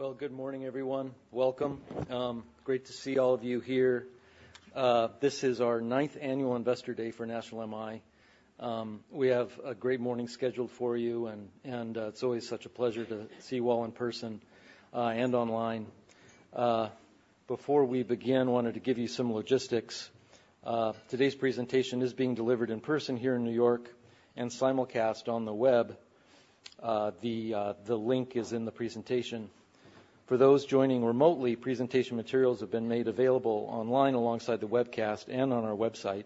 Well, good morning, everyone. Welcome. Great to see all of you here. This is our ninth annual Investor Day for National MI. We have a great morning scheduled for you, and it's always such a pleasure to see you all in person and online. Before we begin, wanted to give you some logistics. Today's presentation is being delivered in person here in New York and simulcast on the web. The link is in the presentation. For those joining remotely, presentation materials have been made available online alongside the webcast and on our website.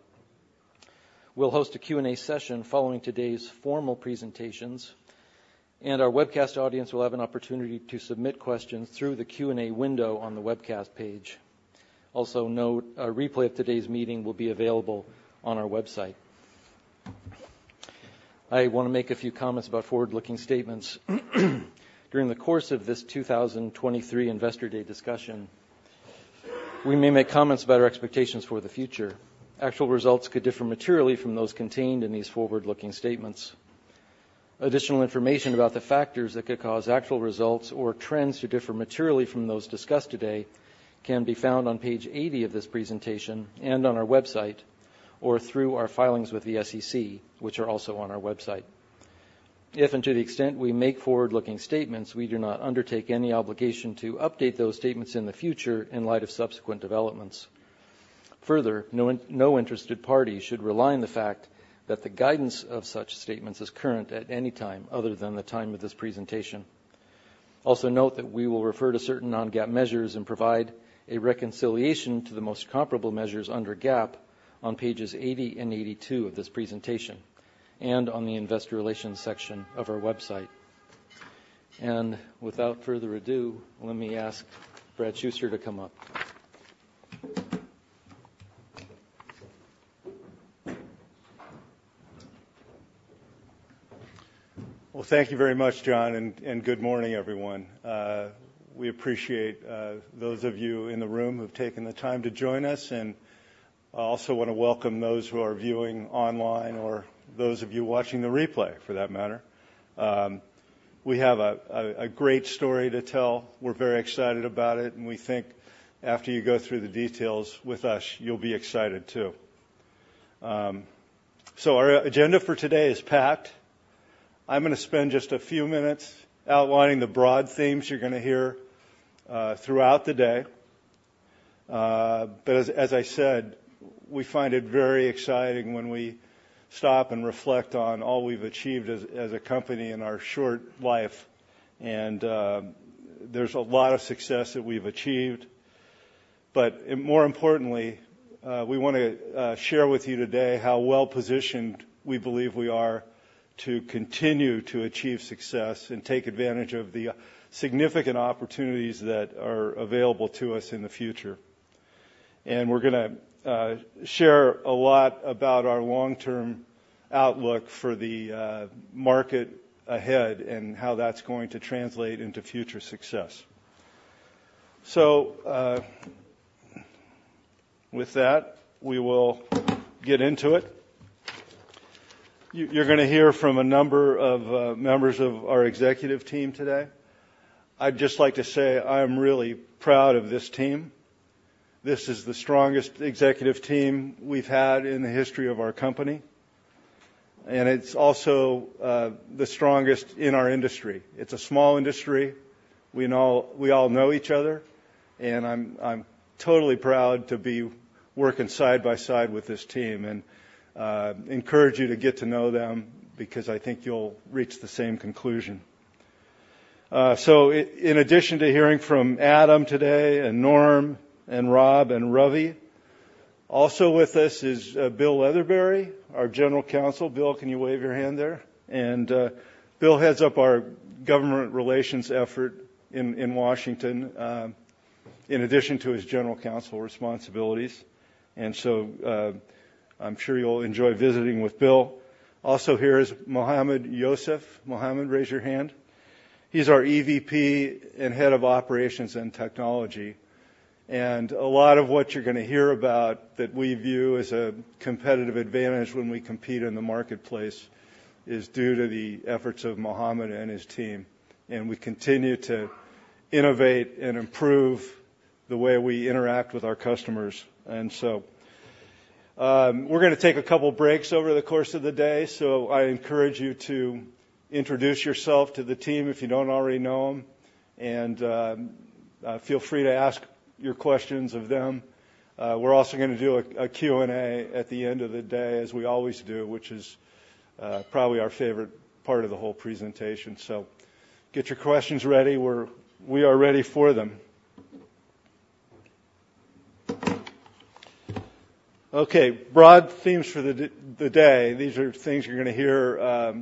We'll host a Q&A session following today's formal presentations, and our webcast audience will have an opportunity to submit questions through the Q&A window on the webcast page. Also note, a replay of today's meeting will be available on our website. I want to make a few comments about forward-looking statements. During the course of this 2023 Investor Day discussion, we may make comments about our expectations for the future. Actual results could differ materially from those contained in these forward-looking statements. Additional information about the factors that could cause actual results or trends to differ materially from those discussed today can be found on page 80 of this presentation and on our website, or through our filings with the SEC, which are also on our website. If and to the extent we make forward-looking statements, we do not undertake any obligation to update those statements in the future in light of subsequent developments. Further, no interested party should rely on the fact that the guidance of such statements is current at any time other than the time of this presentation. Also, note that we will refer to certain non-GAAP measures and provide a reconciliation to the most comparable measures under GAAP on pages 80 and 82 of this presentation and on the Investor Relations section of our website. Without further ado, let me ask Brad Shuster to come up. Well, thank you very much, John, and good morning, everyone. We appreciate those of you in the room who've taken the time to join us, and I also want to welcome those who are viewing online or those of you watching the replay, for that matter. We have a great story to tell. We're very excited about it, and we think after you go through the details with us, you'll be excited, too. So our agenda for today is packed. I'm gonna spend just a few minutes outlining the broad themes you're gonna hear throughout the day. But as I said, we find it very exciting when we stop and reflect on all we've achieved as a company in our short life, and there's a lot of success that we've achieved. But, and more importantly, we wanna share with you today how well-positioned we believe we are to continue to achieve success and take advantage of the significant opportunities that are available to us in the future. And we're gonna share a lot about our long-term outlook for the market ahead and how that's going to translate into future success. So, with that, we will get into it. You're gonna hear from a number of members of our executive team today. I'd just like to say I'm really proud of this team. This is the strongest executive team we've had in the history of our company, and it's also the strongest in our industry. It's a small industry. We all know each other, and I'm totally proud to be working side by side with this team and encourage you to get to know them because I think you'll reach the same conclusion. So in addition to hearing from Adam today, and Norm, and Rob, and Ravi, also with us is Bill Leatherberry, our General Counsel. Bill, can you wave your hand there? And Bill heads up our government relations effort in Washington, in addition to his general counsel responsibilities, and so I'm sure you'll enjoy visiting with Bill. Also here is Mohamed Youssef. Mohamed, raise your hand. He's our EVP and Head of Operations and Technology, and a lot of what you're gonna hear about that we view as a competitive advantage when we compete in the marketplace is due to the efforts of Mohamed and his team, and we continue to innovate and improve the way we interact with our customers. And so, we're gonna take a couple breaks over the course of the day, so I encourage you to introduce yourself to the team if you don't already know them, and feel free to ask your questions of them. We're also gonna do a Q&A at the end of the day, as we always do, which is probably our favorite part of the whole presentation. So get your questions ready. We're ready for them. Okay, broad themes for the day. These are things you're gonna hear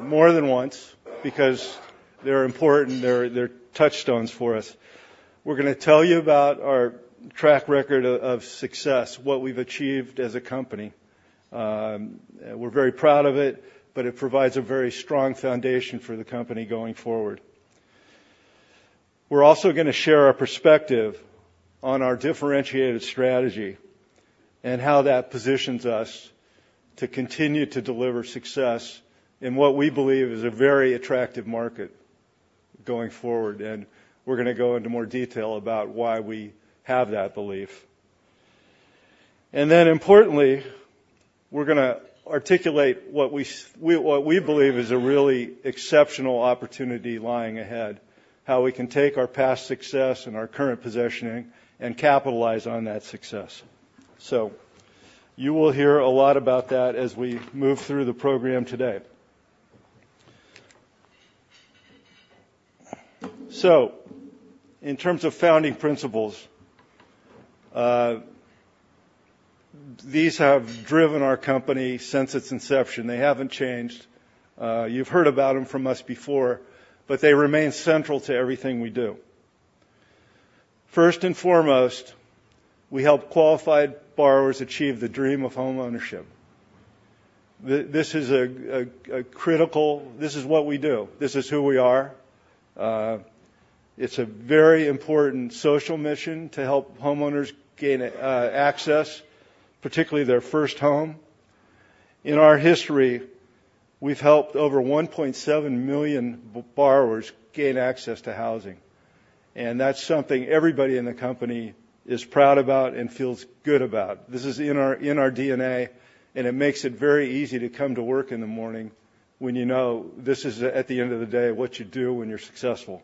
more than once because they're important. They're touchstones for us. We're gonna tell you about our track record of success, what we've achieved as a company. We're very proud of it, but it provides a very strong foundation for the company going forward. We're also gonna share our perspective on our differentiated strategy and how that positions us to continue to deliver success in what we believe is a very attractive market going forward. We're gonna go into more detail about why we have that belief. Then importantly, we're gonna articulate what we believe is a really exceptional opportunity lying ahead, how we can take our past success and our current positioning and capitalize on that success. So you will hear a lot about that as we move through the program today. So in terms of founding principles, these have driven our company since its inception. They haven't changed. You've heard about them from us before, but they remain central to everything we do. First and foremost, we help qualified borrowers achieve the dream of homeownership. This is a critical. This is what we do. This is who we are. It's a very important social mission to help homeowners gain access, particularly their first home. In our history, we've helped over 1.7 million borrowers gain access to housing, and that's something everybody in the company is proud about and feels good about. This is in our DNA, and it makes it very easy to come to work in the morning when you know this is, at the end of the day, what you do when you're successful.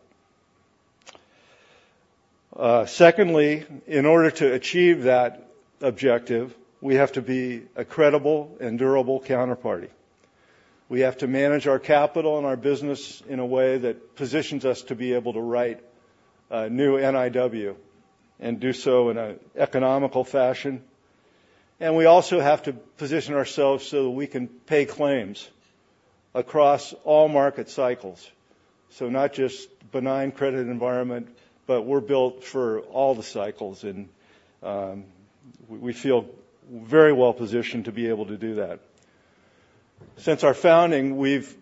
Secondly, in order to achieve that objective, we have to be a credible and durable counterparty. We have to manage our capital and our business in a way that positions us to be able to write new NIW and do so in a economical fashion. And we also have to position ourselves so that we can pay claims across all market cycles. So not just benign credit environment, but we're built for all the cycles, and we feel very well positioned to be able to do that. Since our founding, we've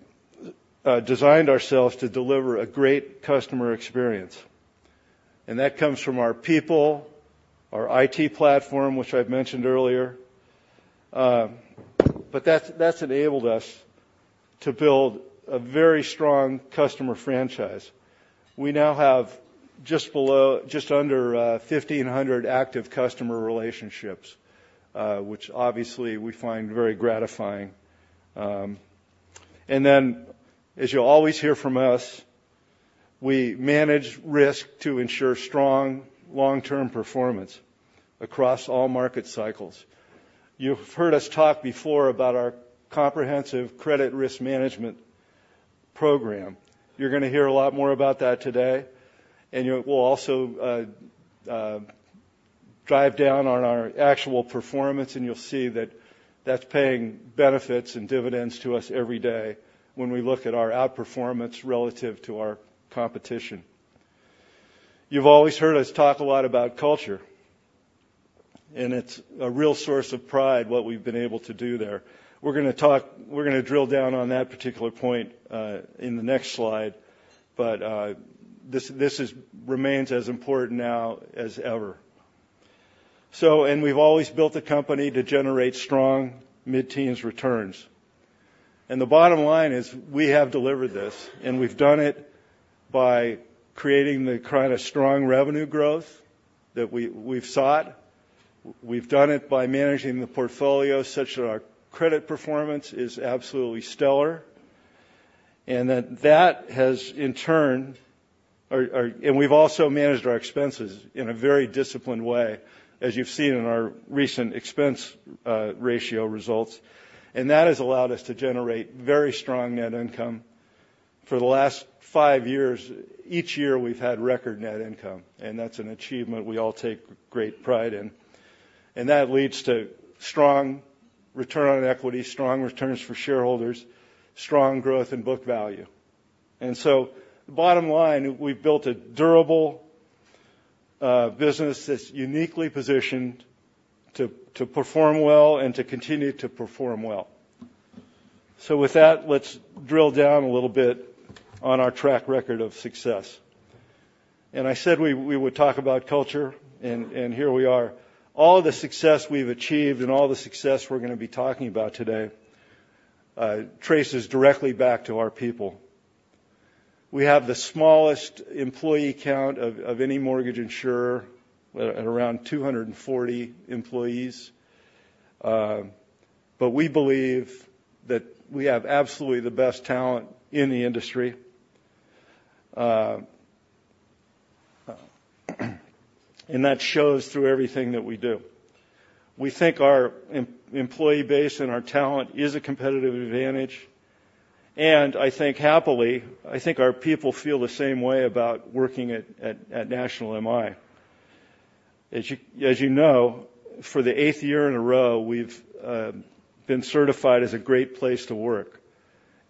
designed ourselves to deliver a great customer experience, and that comes from our people, our IT platform, which I've mentioned earlier. But that's enabled us to build a very strong customer franchise. We now have just under 1,500 active customer relationships, which obviously we find very gratifying. And then, as you'll always hear from us, we manage risk to ensure strong long-term performance across all market cycles. You've heard us talk before about our comprehensive credit risk management program. You're gonna hear a lot more about that today, and we'll also drive down on our actual performance, and you'll see that that's paying benefits and dividends to us every day when we look at our outperformance relative to our competition. You've always heard us talk a lot about culture, and it's a real source of pride, what we've been able to do there. We're gonna talk—we're gonna drill down on that particular point in the next slide, but this remains as important now as ever. And we've always built the company to generate strong mid-teens returns. The bottom line is, we have delivered this, and we've done it by creating the kind of strong revenue growth that we've sought. We've done it by managing the portfolio such that our credit performance is absolutely stellar and that has, in turn, and we've also managed our expenses in a very disciplined way, as you've seen in our recent expense ratio results, and that has allowed us to generate very strong net income. For the last five years, each year we've had record net income, and that's an achievement we all take great pride in. That leads to strong return on equity, strong returns for shareholders, strong growth in book value. Bottom line, we've built a durable business that's uniquely positioned to perform well and to continue to perform well. So with that, let's drill down a little bit on our track record of success. I said we would talk about culture, and here we are. All the success we've achieved and all the success we're gonna be talking about today traces directly back to our people. We have the smallest employee count of any mortgage insurer, at around 240 employees. But we believe that we have absolutely the best talent in the industry. And that shows through everything that we do. We think our employee base and our talent is a competitive advantage, and I think happily, I think our people feel the same way about working at National MI. As you know, for the eighth year in a row, we've been certified as a Great Place to Work.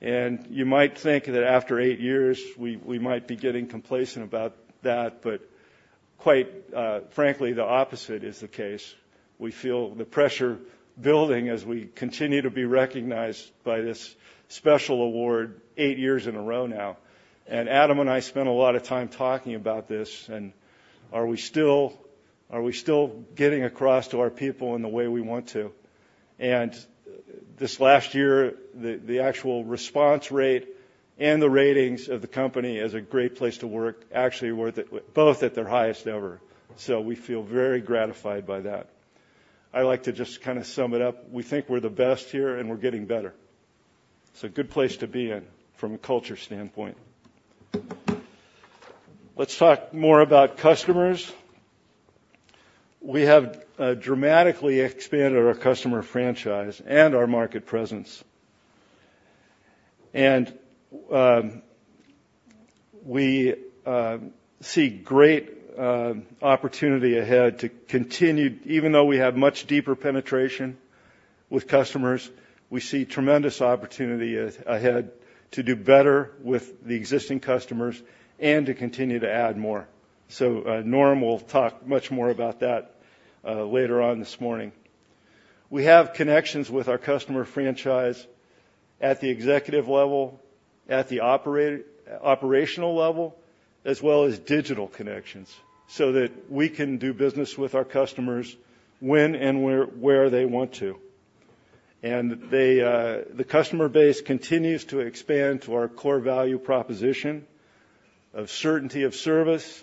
You might think that after eight years, we might be getting complacent about that, but quite frankly, the opposite is the case. We feel the pressure building as we continue to be recognized by this special award eight years in a row now. Adam and I spent a lot of time talking about this, and are we still getting across to our people in the way we want to? This last year, the actual response rate and the ratings of the company as a Great Place to Work actually were both at their highest ever. So we feel very gratified by that. I'd like to just kind of sum it up: We think we're the best here, and we're getting better. It's a good place to be in from a culture standpoint. Let's talk more about customers. We have dramatically expanded our customer franchise and our market presence. And we see great opportunity ahead to continue even though we have much deeper penetration with customers, we see tremendous opportunity ahead to do better with the existing customers and to continue to add more. So Norm will talk much more about that later on this morning. We have connections with our customer franchise at the executive level, at the operational level, as well as digital connections, so that we can do business with our customers when and where they want to. And the customer base continues to expand to our core value proposition of certainty of service.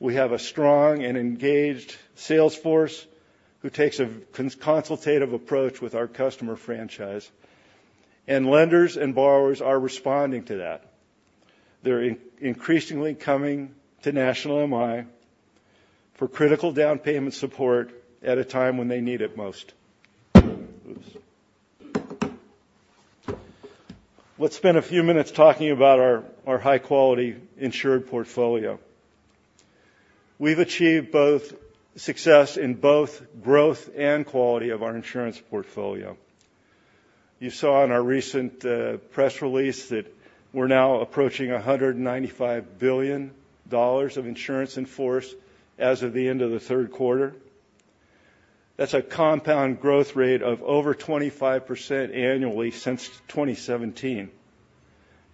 We have a strong and engaged sales force who takes a consultative approach with our customer franchise, and lenders and borrowers are responding to that. They're increasingly coming to National MI for critical down payment support at a time when they need it most. Oops! Let's spend a few minutes talking about our high-quality insured portfolio. We've achieved both success in both growth and quality of our insurance portfolio. You saw in our recent press release that we're now approaching $195 billion of insurance in force as of the end of the third quarter. That's a compound growth rate of over 25% annually since 2017.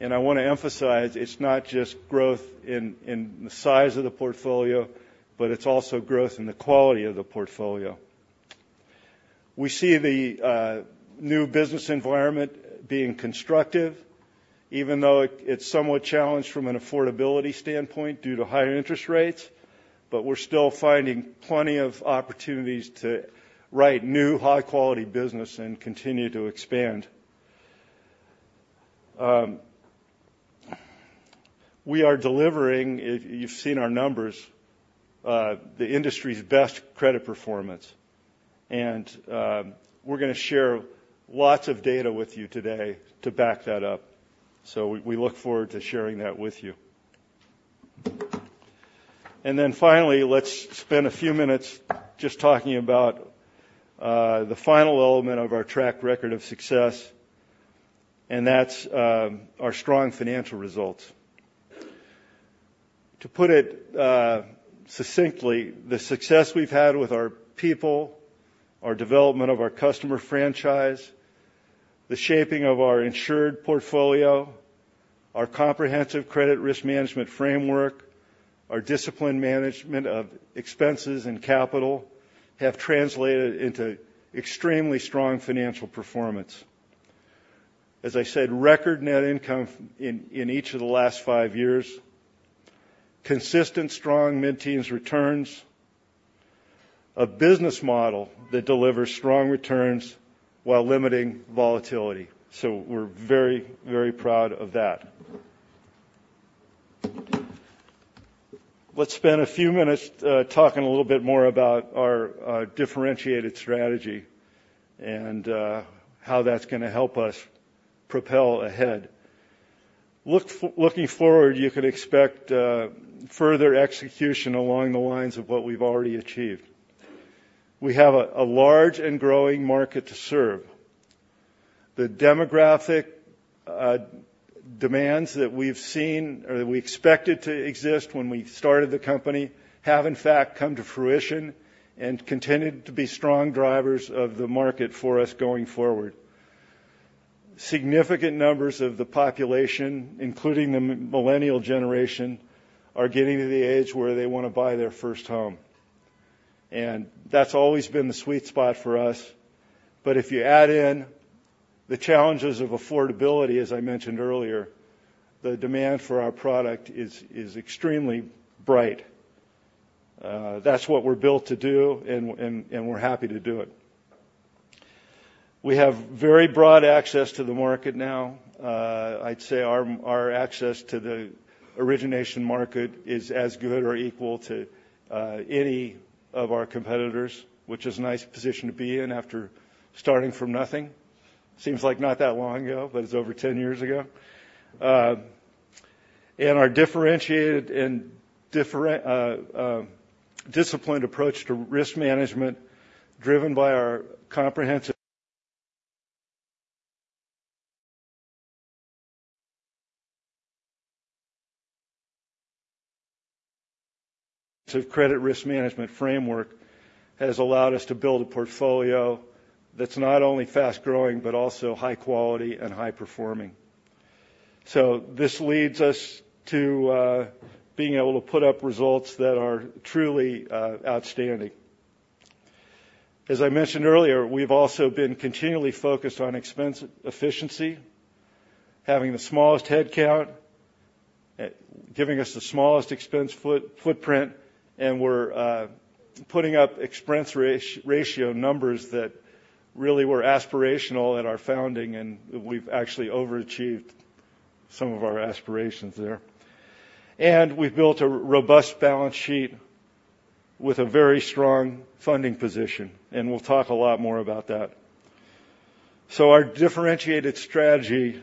And I want to emphasize, it's not just growth in the size of the portfolio, but it's also growth in the quality of the portfolio. We see the new business environment being constructive, even though it, it's somewhat challenged from an affordability standpoint due to higher interest rates, but we're still finding plenty of opportunities to write new, high-quality business and continue to expand. We are delivering, if you've seen our numbers, the industry's best credit performance, and, we're gonna share lots of data with you today to back that up. So we, we look forward to sharing that with you. And then finally, let's spend a few minutes just talking about the final element of our track record of success, and that's our strong financial results. To put it succinctly, the success we've had with our people, our development of our customer franchise, the shaping of our insured portfolio, our comprehensive credit risk management framework, our disciplined management of expenses and capital, have translated into extremely strong financial performance. As I said, record net income in each of the last five years, consistent, strong mid-teens returns, a business model that delivers strong returns while limiting volatility. So we're very, very proud of that. Let's spend a few minutes talking a little bit more about our differentiated strategy and how that's gonna help us propel ahead. Looking forward, you can expect further execution along the lines of what we've already achieved. We have a large and growing market to serve. The demographic demands that we've seen or that we expected to exist when we started the company have in fact come to fruition and continued to be strong drivers of the market for us going forward. Significant numbers of the population, including the millennial generation, are getting to the age where they want to buy their first home, and that's always been the sweet spot for us. But if you add in the challenges of affordability, as I mentioned earlier, the demand for our product is extremely bright. That's what we're built to do, and we're happy to do it. We have very broad access to the market now. I'd say our access to the origination market is as good or equal to any of our competitors, which is a nice position to be in after starting from nothing. Seems like not that long ago, but it's over 10 years ago. Our differentiated and disciplined approach to risk management, driven by our comprehensive credit risk management framework, has allowed us to build a portfolio that's not only fast-growing, but also high quality and high performing... So this leads us to being able to put up results that are truly outstanding. As I mentioned earlier, we've also been continually focused on expense efficiency, having the smallest headcount, giving us the smallest expense footprint, and we're putting up expense ratio numbers that really were aspirational at our founding, and we've actually overachieved some of our aspirations there. We've built a robust balance sheet with a very strong funding position, and we'll talk a lot more about that. So our differentiated strategy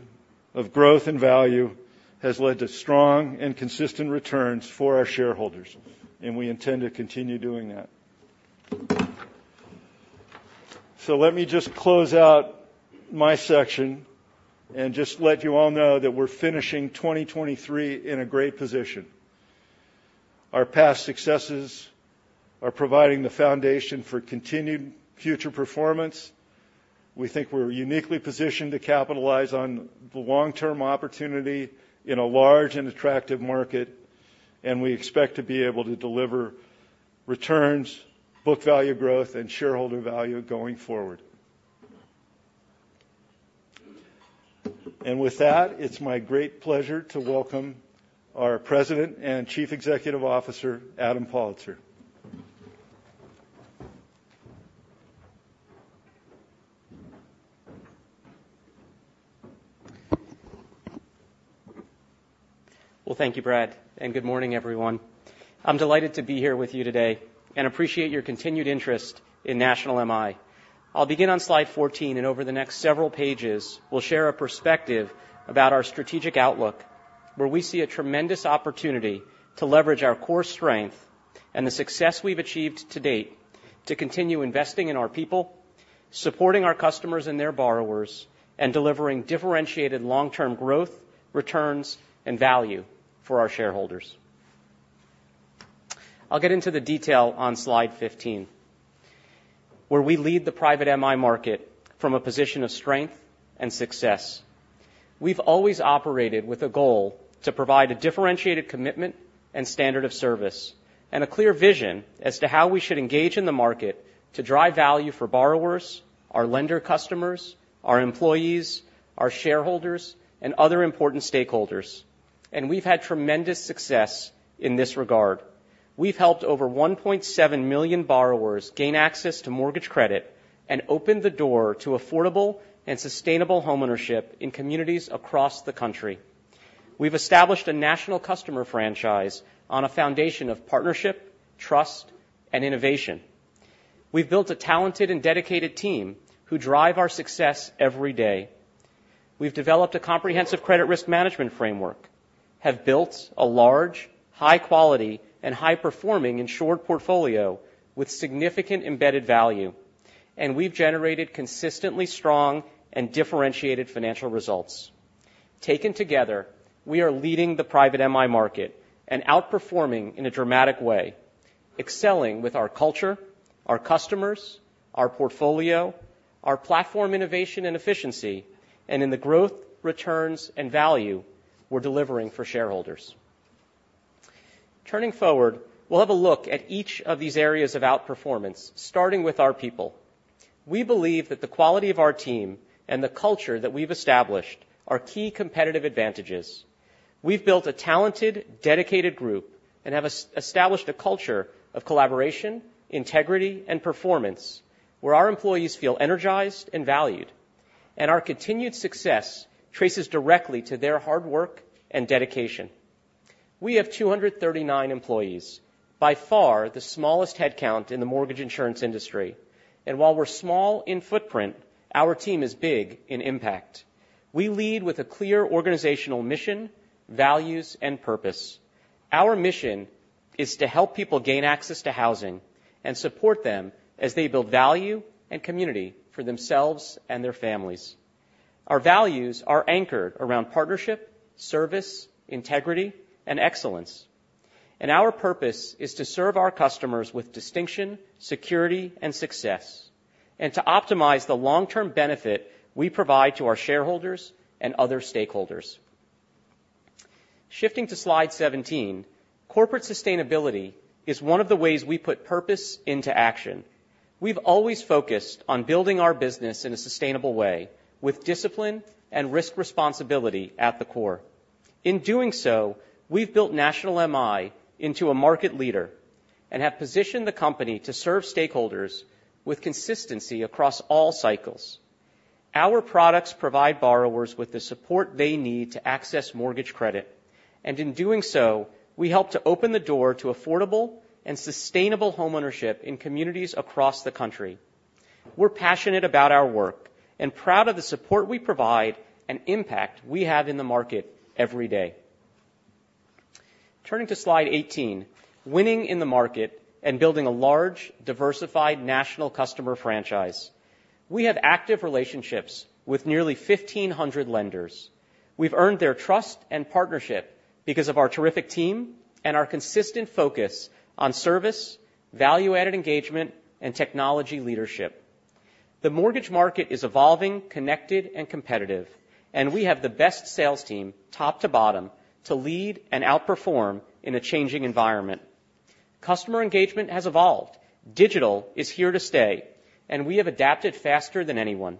of growth and value has led to strong and consistent returns for our shareholders, and we intend to continue doing that. So let me just close out my section and just let you all know that we're finishing 2023 in a great position. Our past successes are providing the foundation for continued future performance. We think we're uniquely positioned to capitalize on the long-term opportunity in a large and attractive market, and we expect to be able to deliver returns, book value growth, and shareholder value going forward. And with that, it's my great pleasure to welcome our President and Chief Executive Officer, Adam Pollitzer. Well, thank you, Brad, and good morning, everyone. I'm delighted to be here with you today and appreciate your continued interest in National MI. I'll begin on slide 14, and over the next several pages, we'll share a perspective about our strategic outlook, where we see a tremendous opportunity to leverage our core strength and the success we've achieved to date, to continue investing in our people, supporting our customers and their borrowers, and delivering differentiated long-term growth, returns, and value for our shareholders. I'll get into the detail on slide 15, where we lead the private MI market from a position of strength and success. We've always operated with a goal to provide a differentiated commitment and standard of service, and a clear vision as to how we should engage in the market to drive value for borrowers, our lender customers, our employees, our shareholders, and other important stakeholders. We've had tremendous success in this regard. We've helped over 1.7 million borrowers gain access to mortgage credit and opened the door to affordable and sustainable homeownership in communities across the country. We've established a national customer franchise on a foundation of partnership, trust, and innovation. We've built a talented and dedicated team who drive our success every day. We've developed a comprehensive credit risk management framework, have built a large, high quality, and high-performing insured portfolio with significant embedded value, and we've generated consistently strong and differentiated financial results. Taken together, we are leading the private MI market and outperforming in a dramatic way, excelling with our culture, our customers, our portfolio, our platform innovation and efficiency, and in the growth, returns, and value we're delivering for shareholders. Turning forward, we'll have a look at each of these areas of outperformance, starting with our people. We believe that the quality of our team and the culture that we've established are key competitive advantages. We've built a talented, dedicated group and have established a culture of collaboration, integrity, and performance, where our employees feel energized and valued, and our continued success traces directly to their hard work and dedication. We have 239 employees, by far the smallest headcount in the mortgage insurance industry. While we're small in footprint, our team is big in impact. We lead with a clear organizational mission, values, and purpose. Our mission is to help people gain access to housing and support them as they build value and community for themselves and their families. Our values are anchored around partnership, service, integrity, and excellence. Our purpose is to serve our customers with distinction, security, and success, and to optimize the long-term benefit we provide to our shareholders and other stakeholders. Shifting to slide 17, corporate sustainability is one of the ways we put purpose into action. We've always focused on building our business in a sustainable way, with discipline and risk responsibility at the core. In doing so, we've built National MI into a market leader and have positioned the company to serve stakeholders with consistency across all cycles. Our products provide borrowers with the support they need to access mortgage credit, and in doing so, we help to open the door to affordable and sustainable homeownership in communities across the country. We're passionate about our work and proud of the support we provide and impact we have in the market every day. Turning to slide 18, winning in the market and building a large, diversified national customer franchise. We have active relationships with nearly 1,500 lenders. We've earned their trust and partnership because of our terrific team and our consistent focus on service, value-added engagement, and technology leadership.... The mortgage market is evolving, connected, and competitive, and we have the best sales team, top to bottom, to lead and outperform in a changing environment. Customer engagement has evolved. Digital is here to stay, and we have adapted faster than anyone.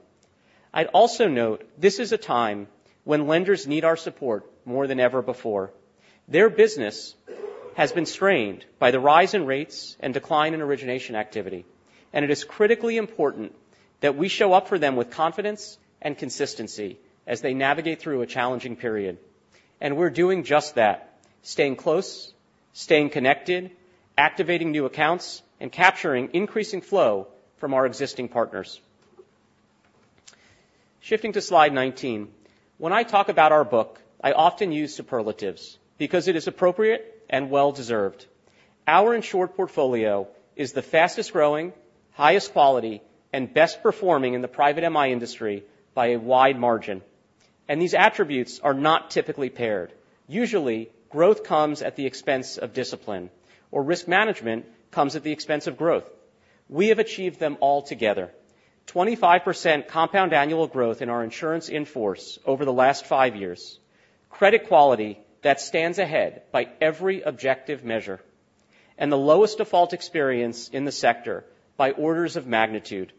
I'd also note this is a time when lenders need our support more than ever before. Their business has been strained by the rise in rates and decline in origination activity, and it is critically important that we show up for them with confidence and consistency as they navigate through a challenging period. We're doing just that, staying close, staying connected, activating new accounts, and capturing increasing flow from our existing partners. Shifting to slide 19. When I talk about our book, I often use superlatives because it is appropriate and well-deserved. Our insured portfolio is the fastest-growing, highest quality, and best performing in the private MI industry by a wide margin, and these attributes are not typically paired. Usually, growth comes at the expense of discipline, or risk management comes at the expense of growth. We have achieved them all together. 25% compound annual growth in our insurance in force over the last 5 years, credit quality that stands ahead by every objective measure, and the lowest default experience in the sector by orders of magnitude.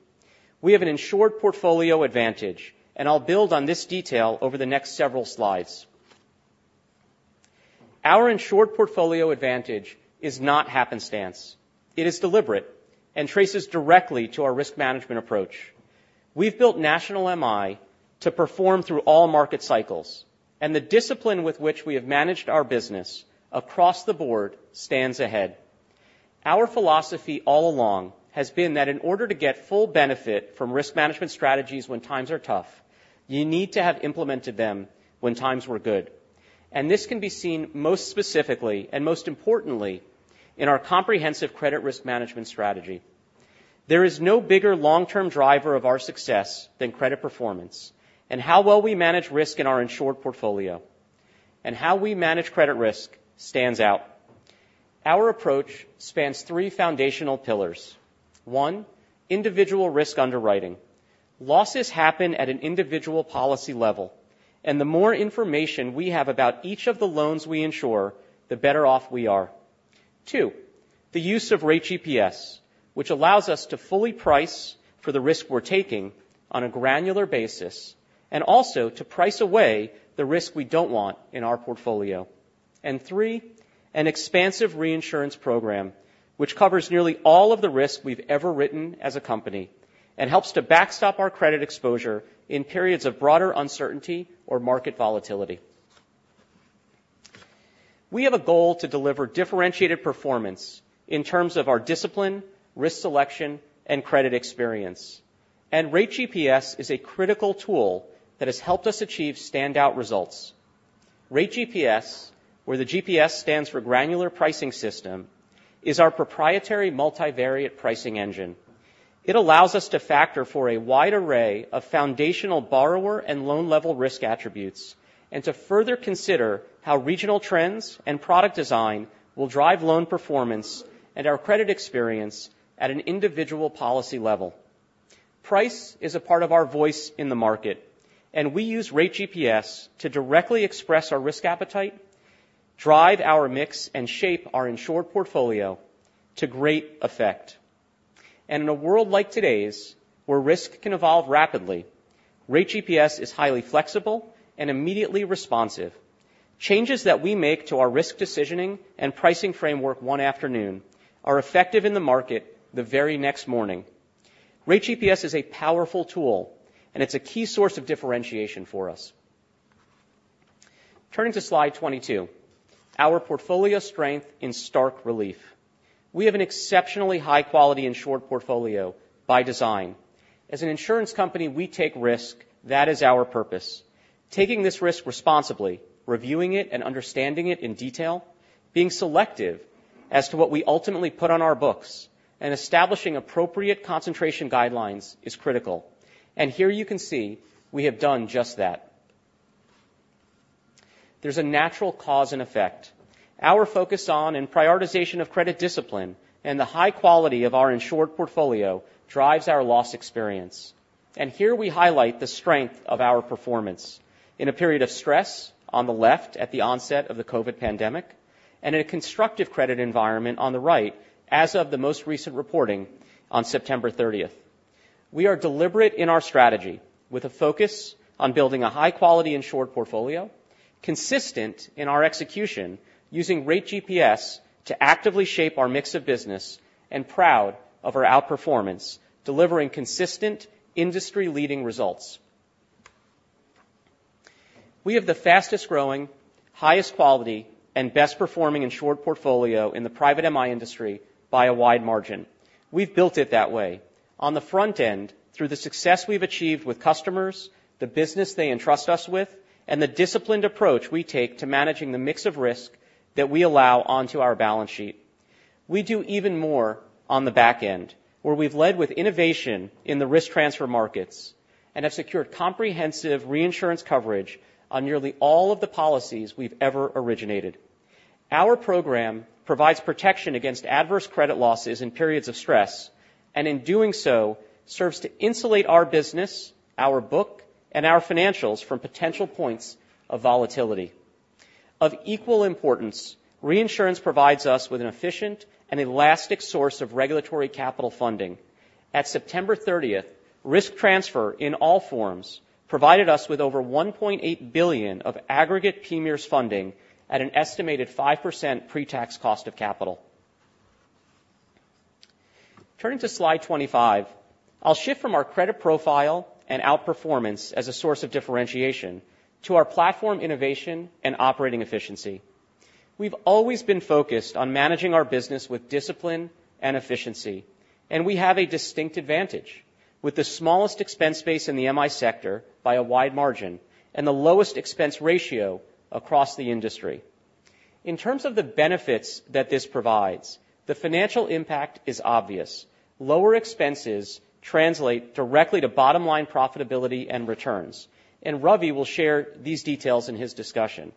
We have an insured portfolio advantage, and I'll build on this detail over the next several slides. Our insured portfolio advantage is not happenstance. It is deliberate and traces directly to our risk management approach. We've built National MI to perform through all market cycles, and the discipline with which we have managed our business across the board stands ahead. Our philosophy all along has been that in order to get full benefit from risk management strategies when times are tough, you need to have implemented them when times were good. And this can be seen most specifically and most importantly, in our comprehensive credit risk management strategy. There is no bigger long-term driver of our success than credit performance and how well we manage risk in our insured portfolio, and how we manage credit risk stands out. Our approach spans three foundational pillars. One, individual risk underwriting. Losses happen at an individual policy level, and the more information we have about each of the loans we insure, the better off we are. Two, the use of RateGPS, which allows us to fully price for the risk we're taking on a granular basis, and also to price away the risk we don't want in our portfolio. And three, an expansive reinsurance program, which covers nearly all of the risks we've ever written as a company and helps to backstop our credit exposure in periods of broader uncertainty or market volatility. We have a goal to deliver differentiated performance in terms of our discipline, risk selection, and credit experience, and RateGPS is a critical tool that has helped us achieve standout results. RateGPS, where the GPS stands for Granular Pricing System, is our proprietary multivariate pricing engine. It allows us to factor for a wide array of foundational borrower and loan-level risk attributes, and to further consider how regional trends and product design will drive loan performance and our credit experience at an individual policy level. Price is a part of our voice in the market, and we use RateGPS to directly express our risk appetite, drive our mix, and shape our insured portfolio to great effect. And in a world like today's, where risk can evolve rapidly, RateGPS is highly flexible and immediately responsive. Changes that we make to our risk decisioning and pricing framework one afternoon are effective in the market the very next morning. RateGPS is a powerful tool, and it's a key source of differentiation for us. Turning to slide 22, our portfolio strength in stark relief. We have an exceptionally high quality insured portfolio by design. As an insurance company, we take risk. That is our purpose. Taking this risk responsibly, reviewing it and understanding it in detail, being selective as to what we ultimately put on our books, and establishing appropriate concentration guidelines is critical. And here you can see we have done just that. There's a natural cause and effect. Our focus on and prioritization of credit discipline and the high quality of our insured portfolio drives our loss experience. And here we highlight the strength of our performance in a period of stress on the left, at the onset of the COVID pandemic, and in a constructive credit environment on the right, as of the most recent reporting on September thirtieth. We are deliberate in our strategy, with a focus on building a high-quality insured portfolio, consistent in our execution, using RateGPS to actively shape our mix of business, and proud of our outperformance, delivering consistent, industry-leading results. We have the fastest-growing, highest quality, and best-performing insured portfolio in the private MI industry by a wide margin. We've built it that way on the front end, through the success we've achieved with customers, the business they entrust us with, and the disciplined approach we take to managing the mix of risk that we allow onto our balance sheet. We do even more on the back end, where we've led with innovation in the risk transfer markets and have secured comprehensive reinsurance coverage on nearly all of the policies we've ever originated... Our program provides protection against adverse credit losses in periods of stress, and in doing so, serves to insulate our business, our book, and our financials from potential points of volatility. Of equal importance, reinsurance provides us with an efficient and elastic source of regulatory capital funding. At September 30, risk transfer in all forms provided us with over $1.8 billion of aggregate premiums funding at an estimated 5% pretax cost of capital. Turning to slide 25, I'll shift from our credit profile and outperformance as a source of differentiation to our platform innovation and operating efficiency. We've always been focused on managing our business with discipline and efficiency, and we have a distinct advantage with the smallest expense base in the MI sector by a wide margin and the lowest expense ratio across the industry. In terms of the benefits that this provides, the financial impact is obvious. Lower expenses translate directly to bottom line profitability and returns, and Ravi will share these details in his discussion.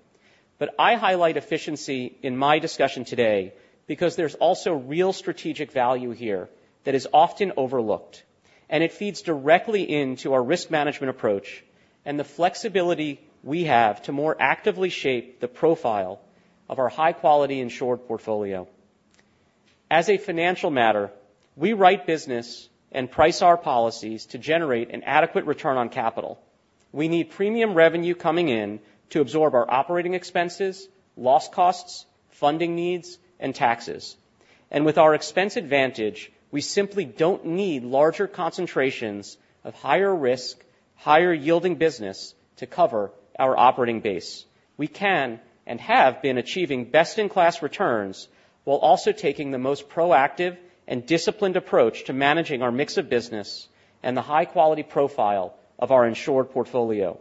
But I highlight efficiency in my discussion today because there's also real strategic value here that is often overlooked, and it feeds directly into our risk management approach and the flexibility we have to more actively shape the profile of our high-quality insured portfolio. As a financial matter, we write business and price our policies to generate an adequate return on capital. We need premium revenue coming in to absorb our operating expenses, loss costs, funding needs, and taxes. With our expense advantage, we simply don't need larger concentrations of higher risk, higher yielding business to cover our operating base. We can and have been achieving best-in-class returns, while also taking the most proactive and disciplined approach to managing our mix of business and the high-quality profile of our insured portfolio.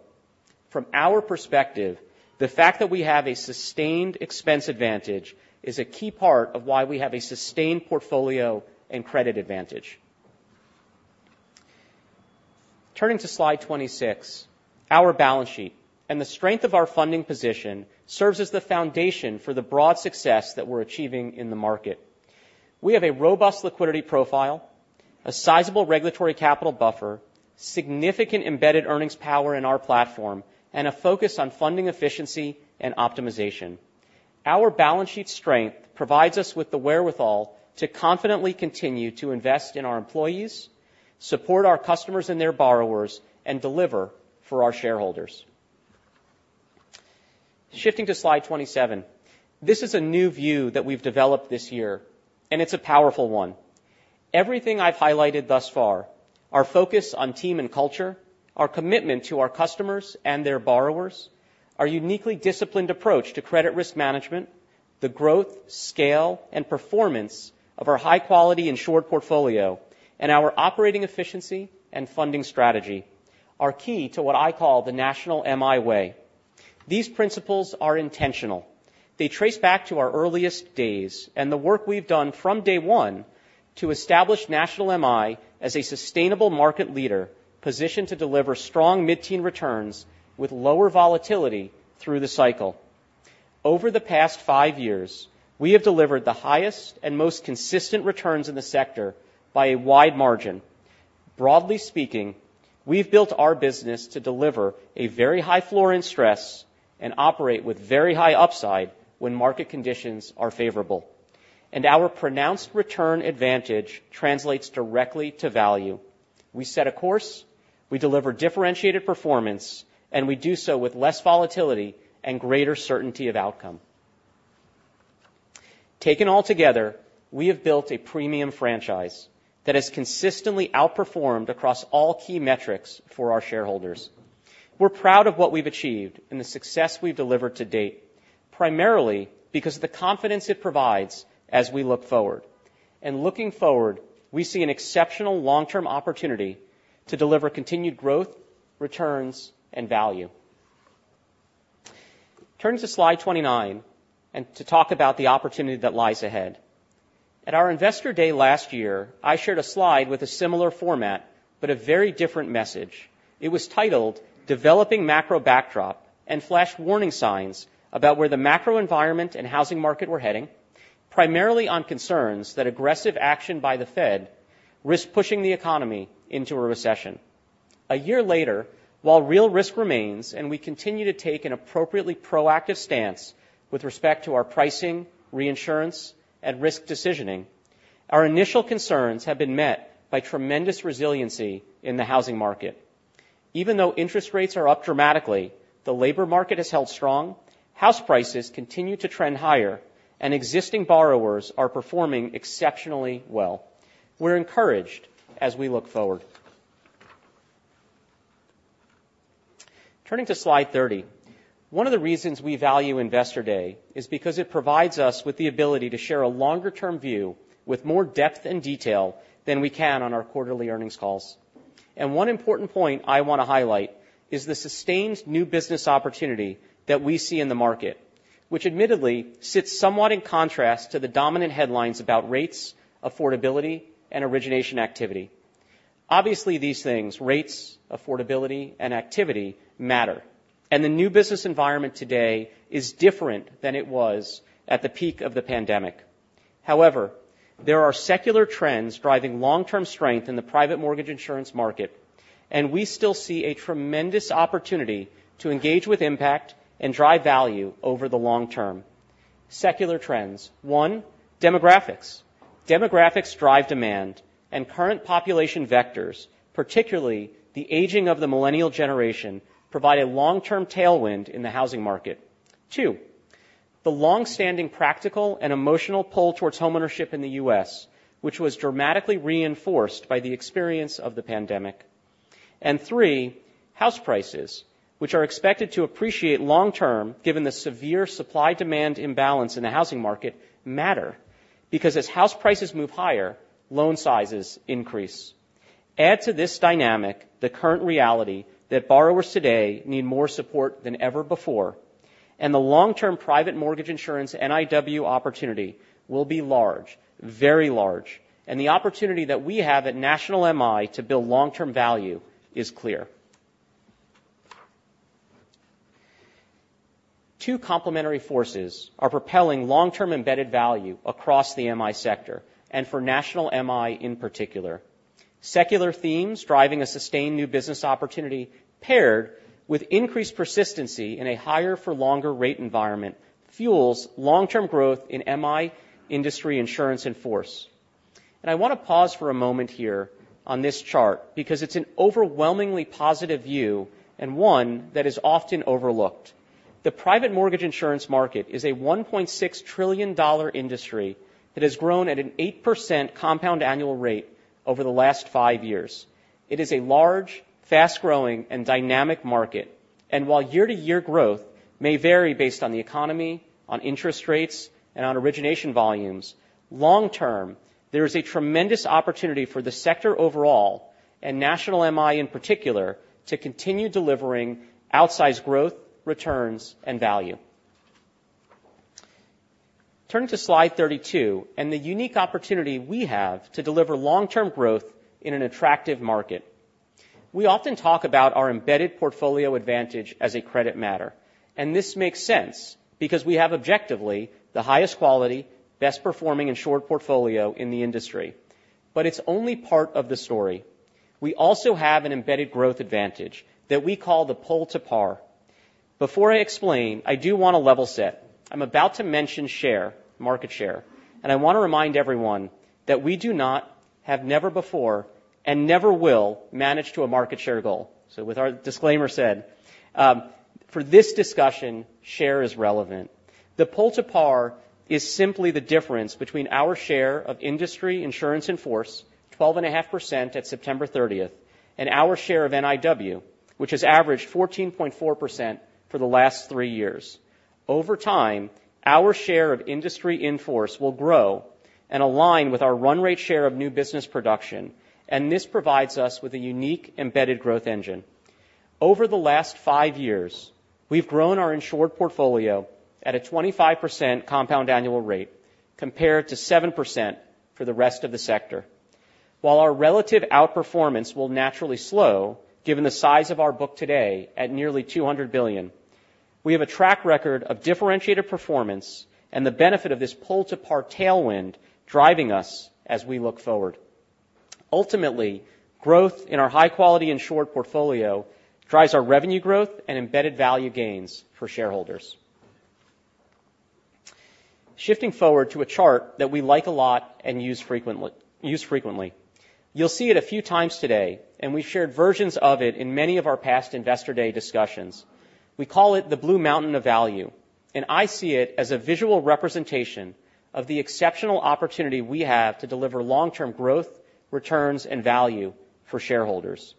From our perspective, the fact that we have a sustained expense advantage is a key part of why we have a sustained portfolio and credit advantage. Turning to slide 26, our balance sheet and the strength of our funding position serves as the foundation for the broad success that we're achieving in the market. We have a robust liquidity profile, a sizable regulatory capital buffer, significant embedded earnings power in our platform, and a focus on funding efficiency and optimization. Our balance sheet strength provides us with the wherewithal to confidently continue to invest in our employees, support our customers and their borrowers, and deliver for our shareholders. Shifting to slide 27, this is a new view that we've developed this year, and it's a powerful one. Everything I've highlighted thus far, our focus on team and culture, our commitment to our customers and their borrowers, our uniquely disciplined approach to credit risk management, the growth, scale, and performance of our high-quality insured portfolio, and our operating efficiency and funding strategy, are key to what I call the National MI Way. These principles are intentional. They trace back to our earliest days and the work we've done from day one to establish National MI as a sustainable market leader, positioned to deliver strong mid-teen returns with lower volatility through the cycle. Over the past five years, we have delivered the highest and most consistent returns in the sector by a wide margin. Broadly speaking, we've built our business to deliver a very high floor in stress and operate with very high upside when market conditions are favorable, and our pronounced return advantage translates directly to value. We set a course, we deliver differentiated performance, and we do so with less volatility and greater certainty of outcome. Taken all together, we have built a premium franchise that has consistently outperformed across all key metrics for our shareholders. We're proud of what we've achieved and the success we've delivered to date, primarily because of the confidence it provides as we look forward. And looking forward, we see an exceptional long-term opportunity to deliver continued growth, returns, and value. Turning to slide 29, and to talk about the opportunity that lies ahead. At our Investor Day last year, I shared a slide with a similar format but a very different message. It was titled Developing Macro Backdrop, and flashed warning signs about where the macro environment and housing market were heading, primarily on concerns that aggressive action by the Fed risked pushing the economy into a recession. A year later, while real risk remains and we continue to take an appropriately proactive stance with respect to our pricing, reinsurance, and risk decisioning, our initial concerns have been met by tremendous resiliency in the housing market. Even though interest rates are up dramatically, the labor market has held strong, house prices continue to trend higher, and existing borrowers are performing exceptionally well. We're encouraged as we look forward. Turning to Slide 30, one of the reasons we value Investor Day is because it provides us with the ability to share a longer-term view with more depth and detail than we can on our quarterly earnings calls. One important point I want to highlight is the sustained new business opportunity that we see in the market, which admittedly sits somewhat in contrast to the dominant headlines about rates, affordability, and origination activity. Obviously, these things, rates, affordability, and activity, matter, and the new business environment today is different than it was at the peak of the pandemic. However, there are secular trends driving long-term strength in the private mortgage insurance market, and we still see a tremendous opportunity to engage with impact and drive value over the long term. Secular trends. One, demographics. Demographics drive demand, and current population vectors, particularly the aging of the millennial generation, provide a long-term tailwind in the housing market. Two, the long-standing practical and emotional pull towards homeownership in the U.S., which was dramatically reinforced by the experience of the pandemic. And three, house prices, which are expected to appreciate long term, given the severe supply-demand imbalance in the housing market, matter, because as house prices move higher, loan sizes increase. Add to this dynamic the current reality that borrowers today need more support than ever before, and the long-term private mortgage insurance NIW opportunity will be large, very large, and the opportunity that we have at National MI to build long-term value is clear. Two complementary forces are propelling long-term embedded value across the MI sector, and for National MI, in particular. Secular themes driving a sustained new business opportunity, paired with increased persistency in a higher-for-longer rate environment, fuels long-term growth in MI industry insurance in force. And I want to pause for a moment here on this chart, because it's an overwhelmingly positive view and one that is often overlooked. The private mortgage insurance market is a $1.6 trillion industry that has grown at an 8% compound annual rate over the last five years. It is a large, fast-growing, and dynamic market. While year-to-year growth may vary based on the economy, on interest rates, and on origination volumes, long-term, there is a tremendous opportunity for the sector overall, and National MI in particular, to continue delivering outsized growth, returns, and value. Turning to Slide 32 and the unique opportunity we have to deliver long-term growth in an attractive market. We often talk about our embedded portfolio advantage as a credit matter, and this makes sense because we have objectively the highest quality, best-performing, and short portfolio in the industry. But it's only part of the story. We also have an embedded growth advantage that we call the pull to par. Before I explain, I do want to level set. I'm about to mention share, market share, and I want to remind everyone that we do not, have never before, and never will manage to a market share goal. So with our disclaimer said, for this discussion, share is relevant. The pull to par is simply the difference between our share of industry insurance in force, 12.5% at September 30, and our share of NIW, which has averaged 14.4% for the last 3 years. Over time, our share of industry in force will grow and align with our run rate share of new business production, and this provides us with a unique embedded growth engine. Over the last 5 years, we've grown our insured portfolio at a 25% compound annual rate, compared to 7% for the rest of the sector. While our relative outperformance will naturally slow, given the size of our book today at nearly $200 billion, we have a track record of differentiated performance and the benefit of this pull-to-par tailwind driving us as we look forward. Ultimately, growth in our high-quality insured portfolio drives our revenue growth and embedded value gains for shareholders. Shifting forward to a chart that we like a lot and use frequently. You'll see it a few times today, and we've shared versions of it in many of our past Investor Day discussions. We call it the Blue Mountain of Value, and I see it as a visual representation of the exceptional opportunity we have to deliver long-term growth, returns, and value for shareholders.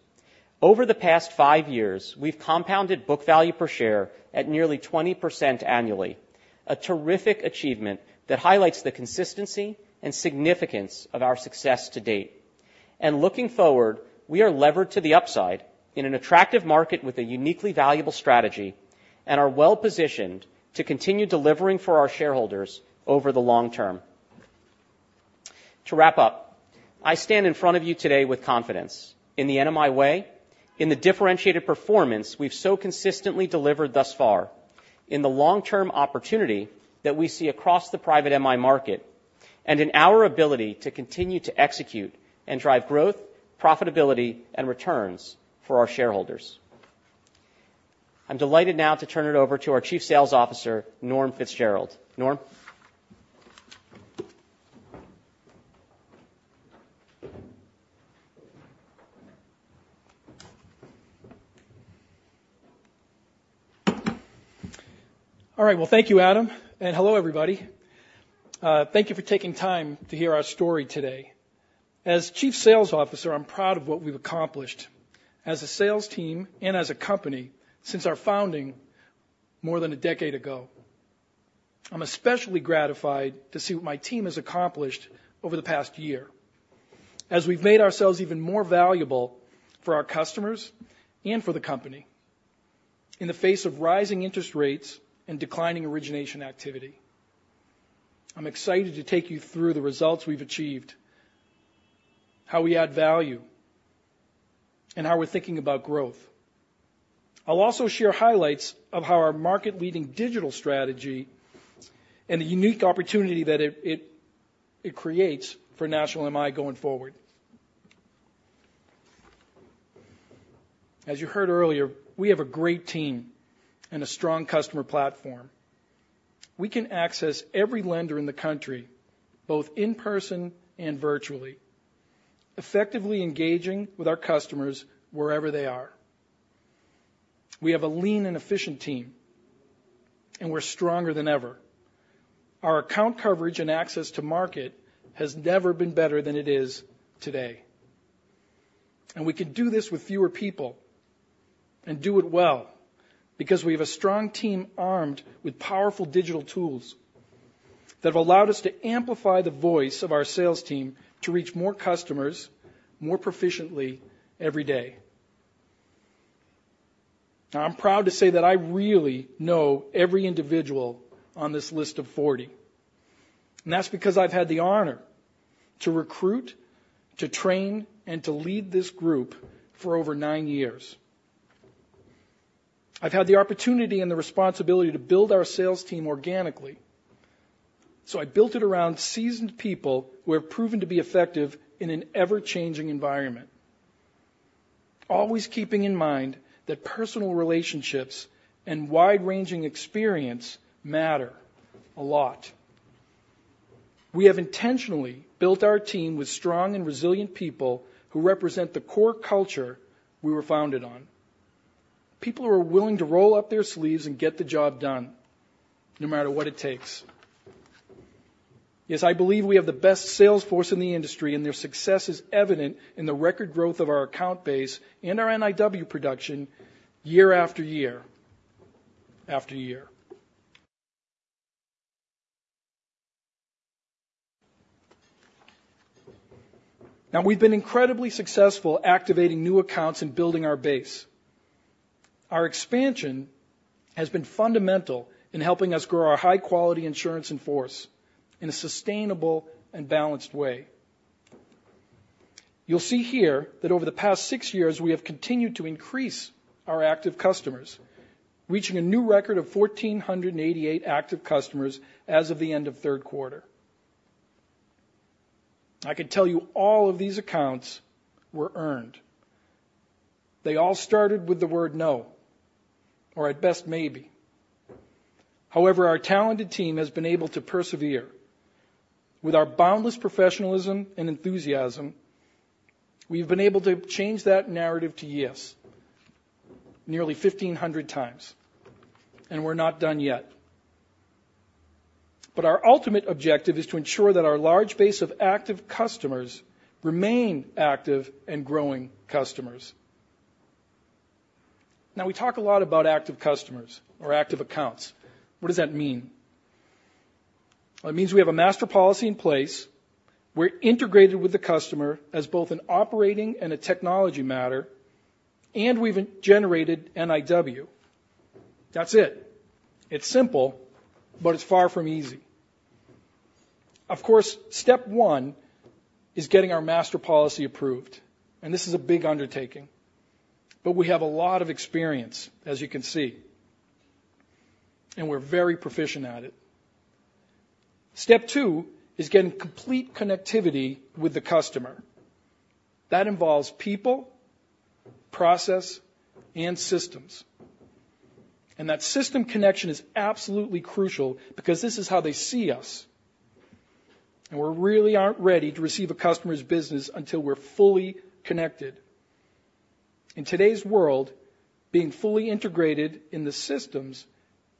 Over the past five years, we've compounded book value per share at nearly 20% annually, a terrific achievement that highlights the consistency and significance of our success to date. Looking forward, we are levered to the upside in an attractive market with a uniquely valuable strategy and are well-positioned to continue delivering for our shareholders over the long term. To wrap up, I stand in front of you today with confidence in the NMI Way, in the differentiated performance we've so consistently delivered thus far, in the long-term opportunity that we see across the private MI market, and in our ability to continue to execute and drive growth, profitability, and returns for our shareholders. I'm delighted now to turn it over to our Chief Sales Officer, Norm Fitzgerald. Norm? All right. Well, thank you, Adam, and hello, everybody. Thank you for taking time to hear our story today. As Chief Sales Officer, I'm proud of what we've accomplished as a sales team and as a company since our founding more than a decade ago. I'm especially gratified to see what my team has accomplished over the past year, as we've made ourselves even more valuable for our customers and for the company in the face of rising interest rates and declining origination activity. I'm excited to take you through the results we've achieved, how we add value, and how we're thinking about growth. I'll also share highlights of how our market-leading digital strategy and the unique opportunity that it creates for National MI going forward. As you heard earlier, we have a great team and a strong customer platform. We can access every lender in the country, both in person and virtually, effectively engaging with our customers wherever they are. We have a lean and efficient team, and we're stronger than ever. Our account coverage and access to market has never been better than it is today. We can do this with fewer people and do it well because we have a strong team armed with powerful digital tools that have allowed us to amplify the voice of our sales team to reach more customers, more proficiently every day. Now, I'm proud to say that I really know every individual on this list of 40, and that's because I've had the honor to recruit, to train, and to lead this group for over 9 years. I've had the opportunity and the responsibility to build our sales team organically. So I built it around seasoned people who have proven to be effective in an ever-changing environment, always keeping in mind that personal relationships and wide-ranging experience matter a lot. We have intentionally built our team with strong and resilient people who represent the core culture we were founded on. People who are willing to roll up their sleeves and get the job done, no matter what it takes. Yes, I believe we have the best sales force in the industry, and their success is evident in the record growth of our account base and our NIW production year after year after year. Now, we've been incredibly successful activating new accounts and building our base. Our expansion has been fundamental in helping us grow our high-quality insurance in force in a sustainable and balanced way. You'll see here that over the past six years, we have continued to increase our active customers, reaching a new record of 1,488 active customers as of the end of third quarter. I can tell you all of these accounts were earned. They all started with the word no, or at best, maybe. However, our talented team has been able to persevere. With our boundless professionalism and enthusiasm, we've been able to change that narrative to yes, nearly 1,500 times, and we're not done yet. But our ultimate objective is to ensure that our large base of active customers remain active and growing customers. Now, we talk a lot about active customers or active accounts. What does that mean? It means we have a master policy in place, we're integrated with the customer as both an operating and a technology matter, and we've generated NIW. That's it. It's simple, but it's far from easy. Of course, step one is getting our master policy approved, and this is a big undertaking, but we have a lot of experience, as you can see, and we're very proficient at it. Step two is getting complete connectivity with the customer. That involves people, process, and systems. That system connection is absolutely crucial because this is how they see us, and we really aren't ready to receive a customer's business until we're fully connected. In today's world, being fully integrated in the systems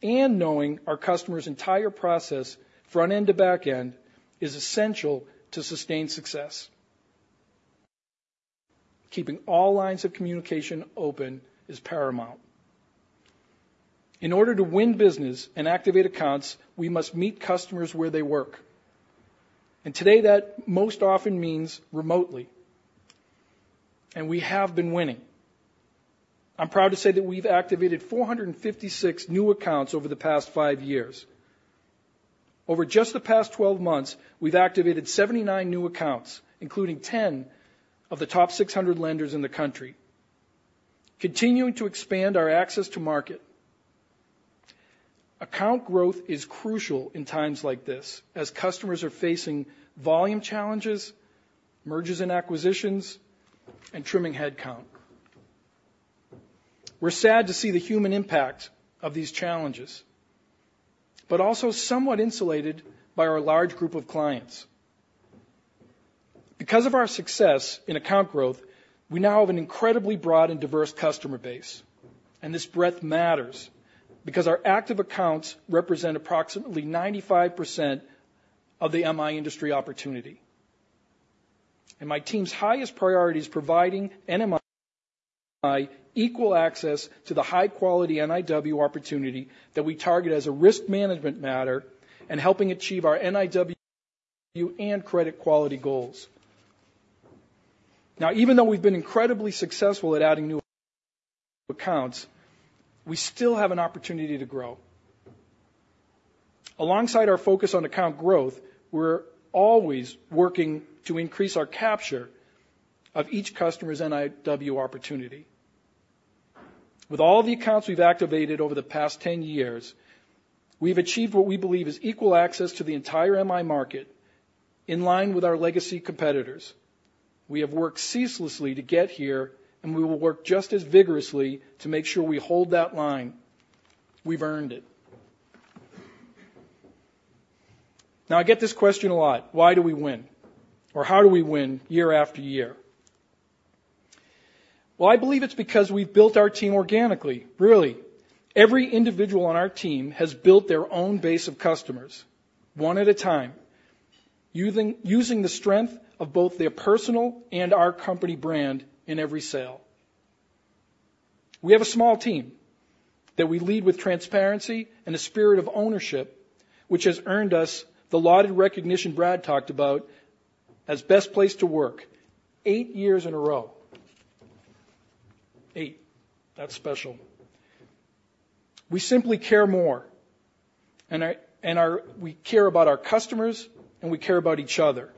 and knowing our customer's entire process, front end to back end, is essential to sustain success. Keeping all lines of communication open is paramount. In order to win business and activate accounts, we must meet customers where they work, and today, that most often means remotely, and we have been winning. I'm proud to say that we've activated 456 new accounts over the past five years. Over just the past 12 months, we've activated 79 new accounts, including 10 of the top 600 lenders in the country, continuing to expand our access to market. Account growth is crucial in times like this, as customers are facing volume challenges, mergers and acquisitions, and trimming headcount. We're sad to see the human impact of these challenges, but also somewhat insulated by our large group of clients. Because of our success in account growth, we now have an incredibly broad and diverse customer base, and this breadth matters because our active accounts represent approximately 95% of the MI industry opportunity. My team's highest priority is providing NMI equal access to the high-quality NIW opportunity that we target as a risk management matter and helping achieve our NIW and credit quality goals. Now, even though we've been incredibly successful at adding new accounts, we still have an opportunity to grow. Alongside our focus on account growth, we're always working to increase our capture of each customer's NIW opportunity. With all the accounts we've activated over the past 10 years, we've achieved what we believe is equal access to the entire MI market, in line with our legacy competitors. We have worked ceaselessly to get here, and we will work just as vigorously to make sure we hold that line. We've earned it. Now, I get this question a lot: Why do we win? Or how do we win year after year? Well, I believe it's because we've built our team organically. Really, every individual on our team has built their own base of customers, one at a time, using the strength of both their personal and our company brand in every sale. We have a small team that we lead with transparency and a spirit of ownership, which has earned us the lauded recognition Brad talked about as Great Place to Work eight years in a row. Eight, that's special. We simply care more, and we care about our customers, and we care about each other.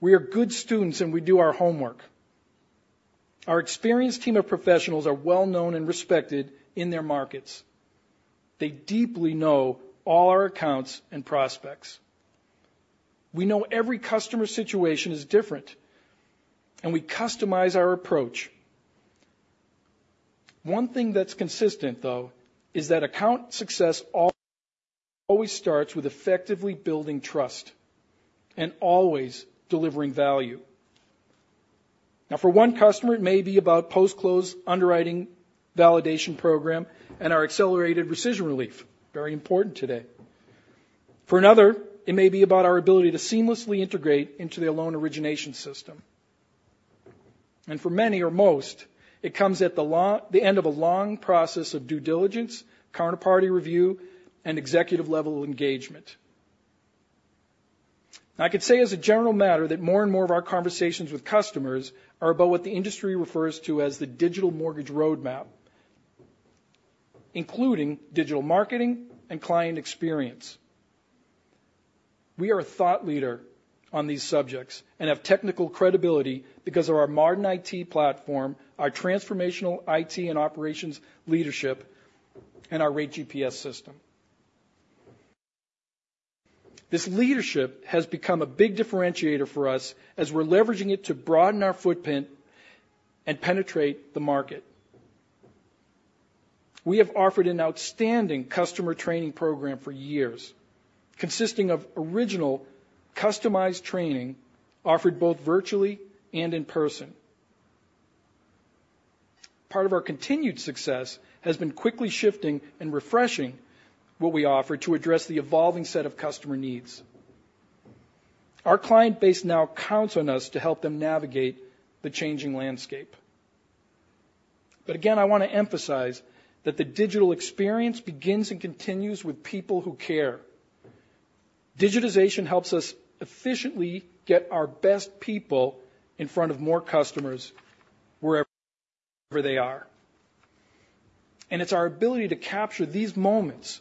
We are good students, and we do our homework. Our experienced team of professionals are well known and respected in their markets. They deeply know all our accounts and prospects. We know every customer situation is different, and we customize our approach. One thing that's consistent, though, is that account success always starts with effectively building trust and always delivering value. Now, for one customer, it may be about post-close underwriting validation program and our accelerated rescission relief. Very important today. For another, it may be about our ability to seamlessly integrate into their loan origination system. And for many or most, it comes at the end of a long process of due diligence, counterparty review, and executive-level engagement. I could say, as a general matter, that more and more of our conversations with customers are about what the industry refers to as the digital mortgage roadmap, including digital marketing and client experience. We are a thought leader on these subjects and have technical credibility because of our modern IT platform, our transformational IT and operations leadership, and our RateGPS system. This leadership has become a big differentiator for us as we're leveraging it to broaden our footprint and penetrate the market. We have offered an outstanding customer training program for years, consisting of original, customized training offered both virtually and in person. Part of our continued success has been quickly shifting and refreshing what we offer to address the evolving set of customer needs. Our client base now counts on us to help them navigate the changing landscape. But again, I want to emphasize that the digital experience begins and continues with people who care. Digitization helps us efficiently get our best people in front of more customers wherever they are. It's our ability to capture these moments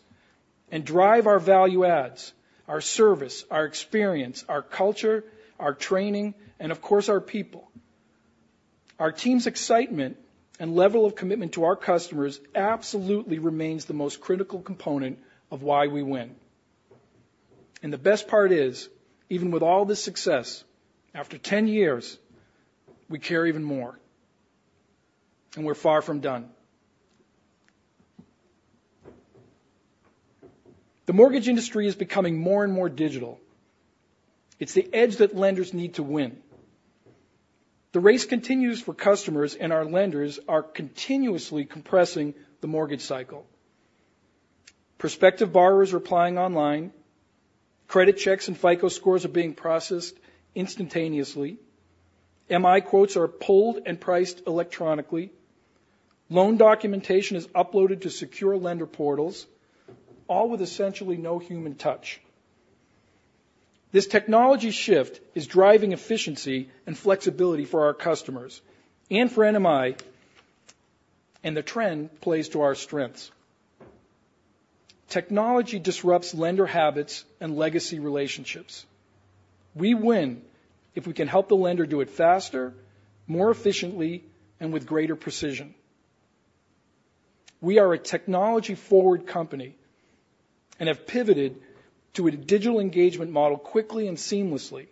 and drive our value adds, our service, our experience, our culture, our training, and of course, our people. Our team's excitement and level of commitment to our customers absolutely remains the most critical component of why we win. The best part is, even with all this success, after 10 years, we care even more, and we're far from done. The mortgage industry is becoming more and more digital. It's the edge that lenders need to win. The race continues for customers, and our lenders are continuously compressing the mortgage cycle. Prospective borrowers are applying online, credit checks and FICO scores are being processed instantaneously, MI quotes are pulled and priced electronically, loan documentation is uploaded to secure lender portals, all with essentially no human touch. This technology shift is driving efficiency and flexibility for our customers and for NMI, and the trend plays to our strengths. Technology disrupts lender habits and legacy relationships. We win if we can help the lender do it faster, more efficiently, and with greater precision. We are a technology-forward company and have pivoted to a digital engagement model quickly and seamlessly,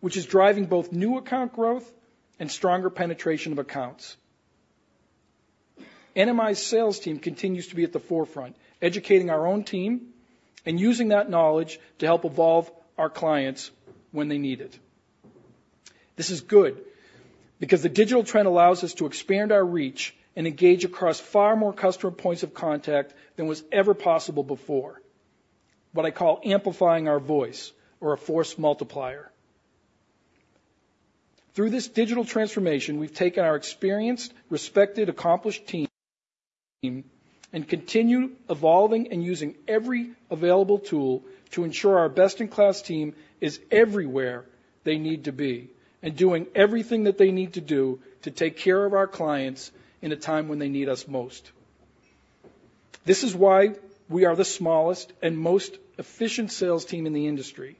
which is driving both new account growth and stronger penetration of accounts. NMI's sales team continues to be at the forefront, educating our own team and using that knowledge to help evolve our clients when they need it. This is good because the digital trend allows us to expand our reach and engage across far more customer points of contact than was ever possible before, what I call amplifying our voice or a force multiplier. Through this digital transformation, we've taken our experienced, respected, accomplished team... Continue evolving and using every available tool to ensure our best-in-class team is everywhere they need to be, and doing everything that they need to do to take care of our clients in a time when they need us most. This is why we are the smallest and most efficient sales team in the industry.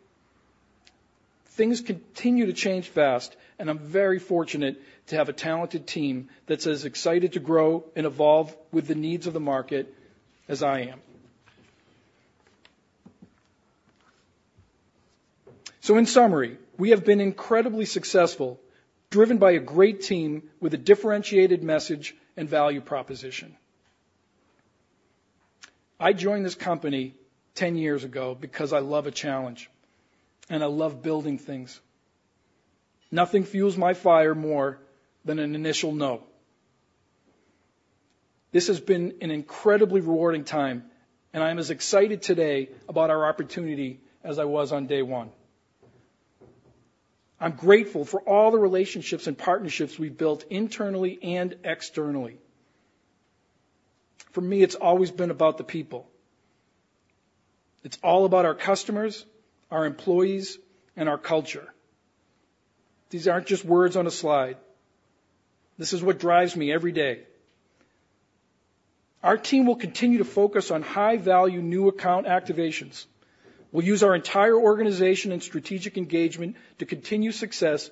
Things continue to change fast, and I'm very fortunate to have a talented team that's as excited to grow and evolve with the needs of the market as I am. So in summary, we have been incredibly successful, driven by a great team with a differentiated message and value proposition. I joined this company 10 years ago because I love a challenge, and I love building things. Nothing fuels my fire more than an initial no. This has been an incredibly rewarding time, and I'm as excited today about our opportunity as I was on day one. I'm grateful for all the relationships and partnerships we've built internally and externally. For me, it's always been about the people. It's all about our customers, our employees, and our culture. These aren't just words on a slide. This is what drives me every day. Our team will continue to focus on high-value new account activations. We'll use our entire organization and strategic engagement to continue success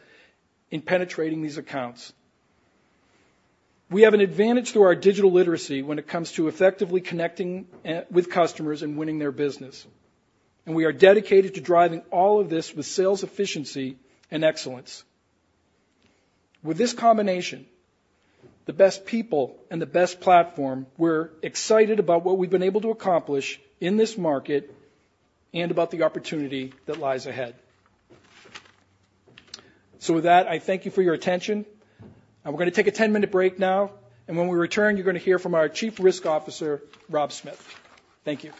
in penetrating these accounts. We have an advantage through our digital literacy when it comes to effectively connecting with customers and winning their business, and we are dedicated to driving all of this with sales efficiency and excellence. With this combination, the best people and the best platform, we're excited about what we've been able to accomplish in this market and about the opportunity that lies ahead. So with that, I thank you for your attention. We're going to take a 10-minute break now, and when we return, you're going to hear from our Chief Risk Officer, Rob Smith. Thank you.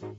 We're,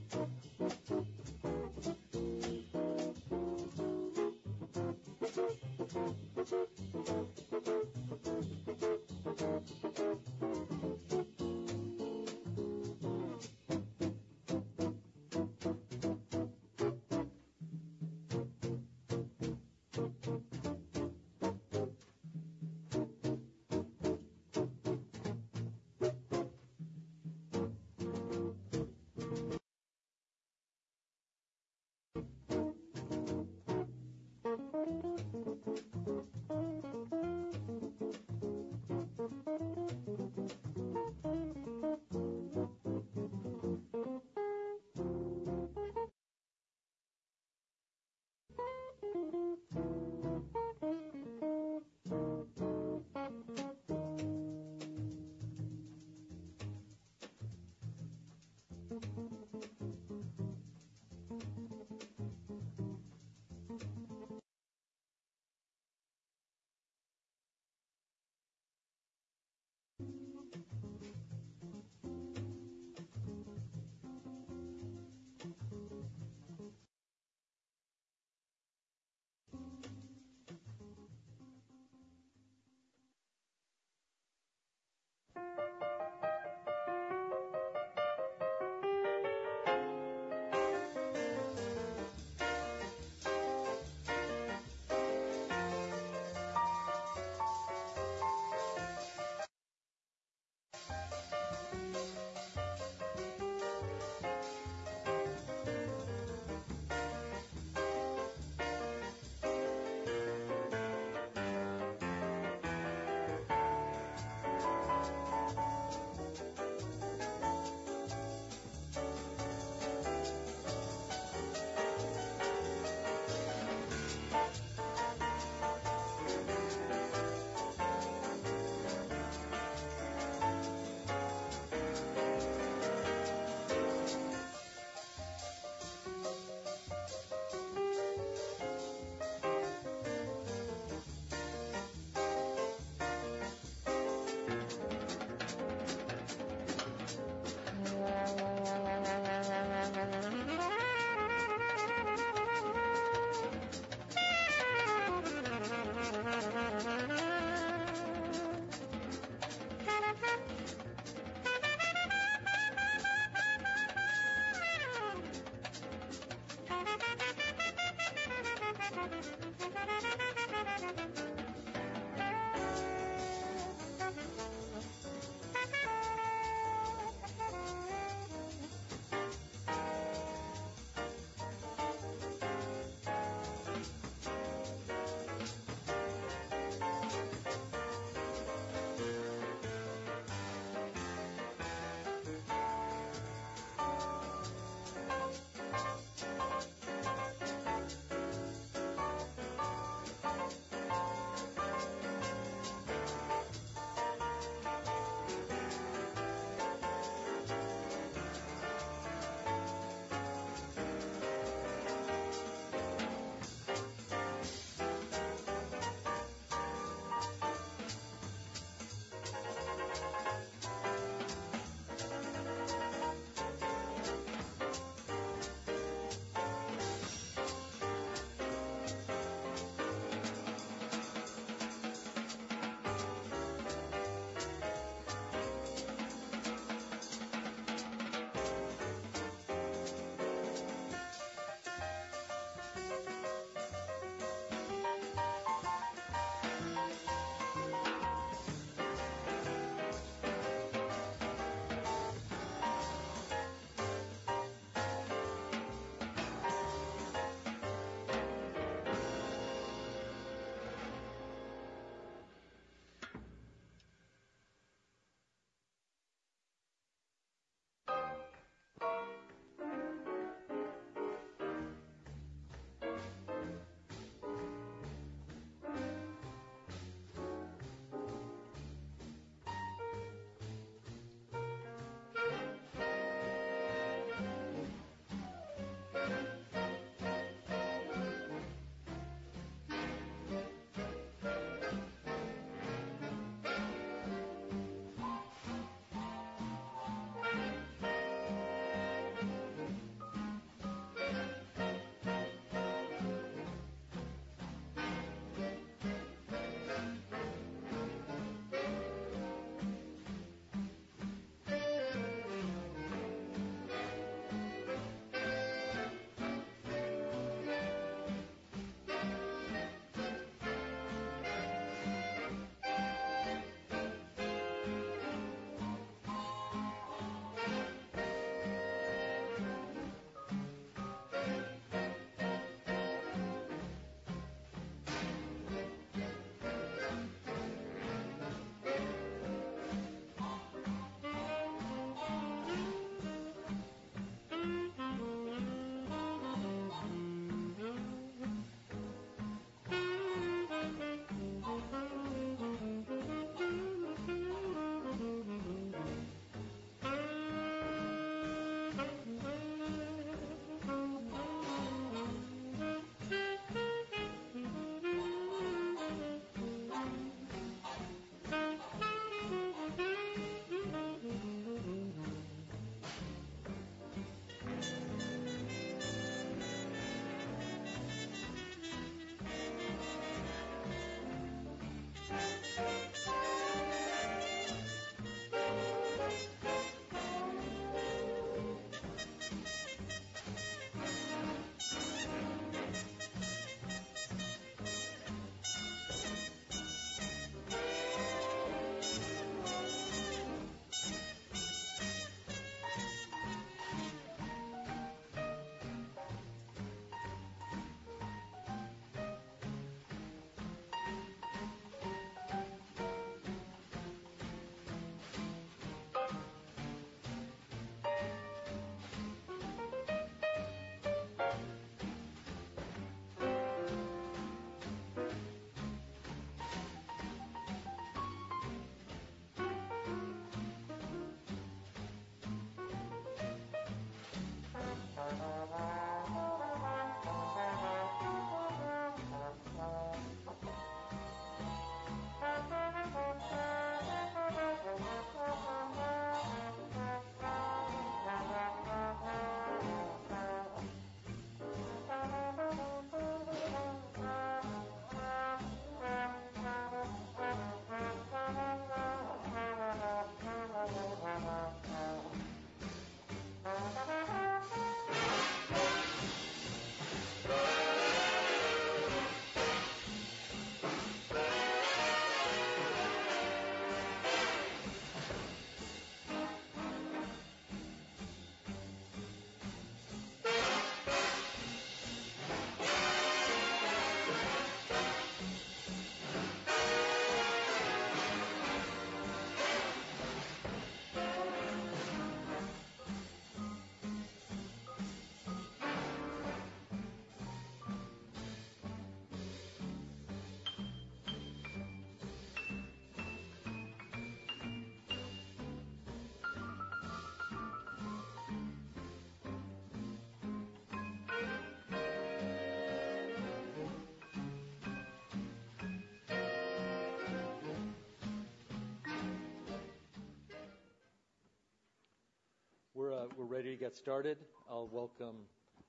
we're ready to get started. I'll welcome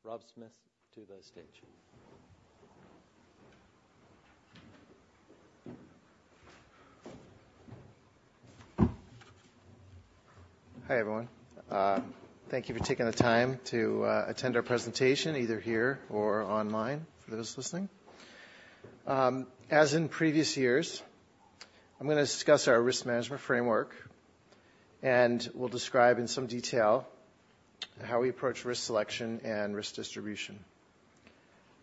Rob Smith to the stage. Hi, everyone. Thank you for taking the time to attend our presentation, either here or online, for those listening. As in previous years, I'm gonna discuss our risk management framework, and we'll describe in some detail how we approach risk selection and risk distribution.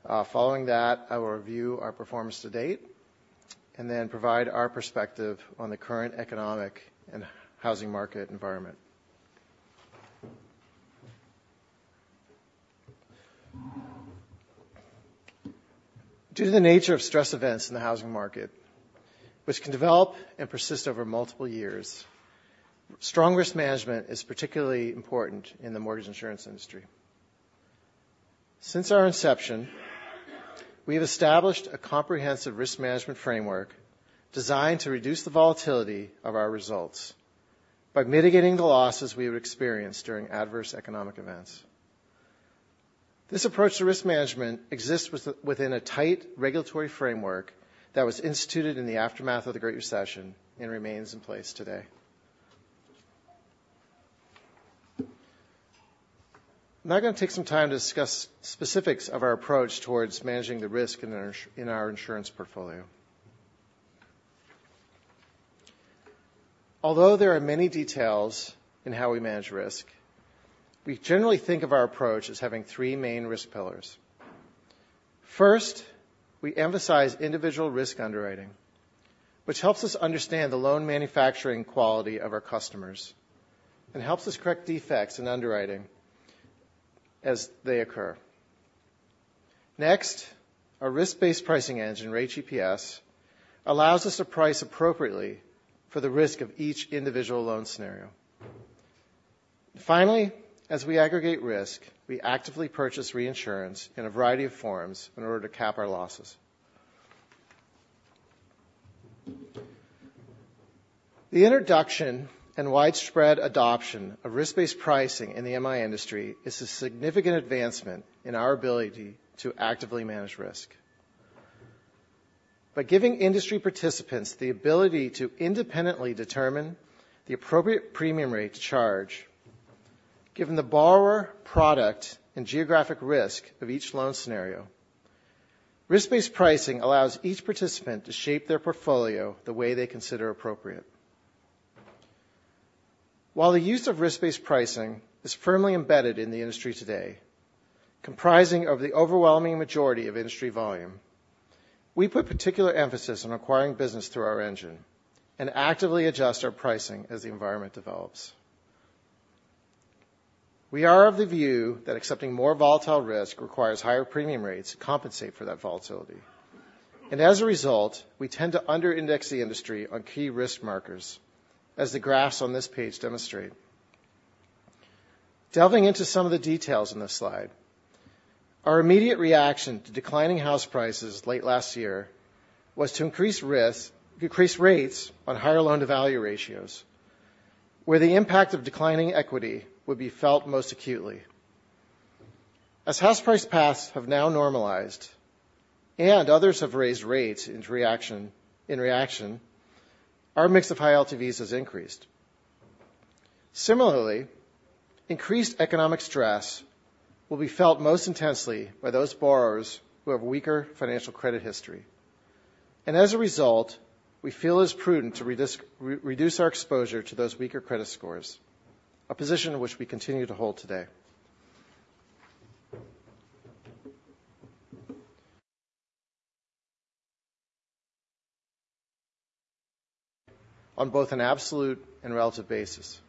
Following that, I will review our performance to date, and then provide our perspective on the current economic and housing market environment. Due to the nature of stress events in the housing market, which can develop and persist over multiple years, strong risk management is particularly important in the mortgage insurance industry. Since our inception, we've established a comprehensive risk management framework designed to reduce the volatility of our results by mitigating the losses we've experienced during adverse economic events. This approach to risk management exists within a tight regulatory framework that was instituted in the aftermath of the Great Recession and remains in place today. Now I'm gonna take some time to discuss specifics of our approach towards managing the risk in our insurance portfolio. Although there are many details in how we manage risk, we generally think of our approach as having three main risk pillars. First, we emphasize individual risk underwriting, which helps us understand the loan manufacturing quality of our customers and helps us correct defects in underwriting as they occur. Next, our risk-based pricing engine, RateGPS, allows us to price appropriately for the risk of each individual loan scenario. Finally, as we aggregate risk, we actively purchase reinsurance in a variety of forms in order to cap our losses. The introduction and widespread adoption of risk-based pricing in the MI industry is a significant advancement in our ability to actively manage risk. By giving industry participants the ability to independently determine the appropriate premium rate to charge, given the borrower product and geographic risk of each loan scenario, risk-based pricing allows each participant to shape their portfolio the way they consider appropriate. While the use of risk-based pricing is firmly embedded in the industry today, comprising of the overwhelming majority of industry volume... We put particular emphasis on acquiring business through our engine and actively adjust our pricing as the environment develops. We are of the view that accepting more volatile risk requires higher premium rates to compensate for that volatility. As a result, we tend to under-index the industry on key risk markers, as the graphs on this page demonstrate. Delving into some of the details in this slide, our immediate reaction to declining house prices late last year was to increase rates on higher loan-to-value ratios, where the impact of declining equity would be felt most acutely. As house price paths have now normalized and others have raised rates in reaction, our mix of high LTVs has increased. Similarly, increased economic stress will be felt most intensely by those borrowers who have weaker financial credit history. As a result, we feel it's prudent to reduce our exposure to those weaker credit scores, a position in which we continue to hold today. On both an absolute and relative basis,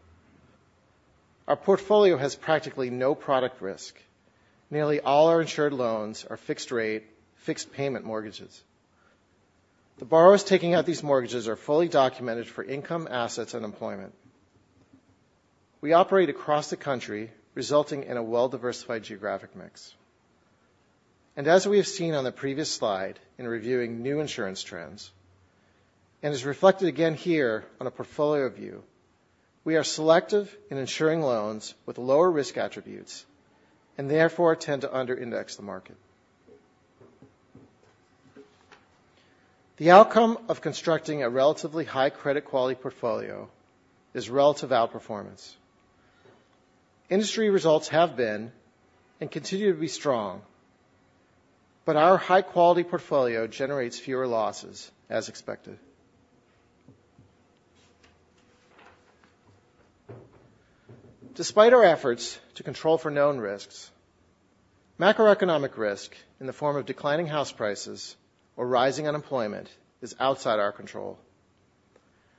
our portfolio has practically no product risk. Nearly all our insured loans are fixed-rate, fixed-payment mortgages. The borrowers taking out these mortgages are fully documented for income, assets, and employment. We operate across the country, resulting in a well-diversified geographic mix. As we have seen on the previous slide in reviewing new insurance trends, and is reflected again here on a portfolio view, we are selective in insuring loans with lower risk attributes and therefore tend to under-index the market. The outcome of constructing a relatively high credit quality portfolio is relative outperformance. Industry results have been and continue to be strong, but our high-quality portfolio generates fewer losses as expected. Despite our efforts to control for known risks, macroeconomic risk in the form of declining house prices or rising unemployment is outside our control.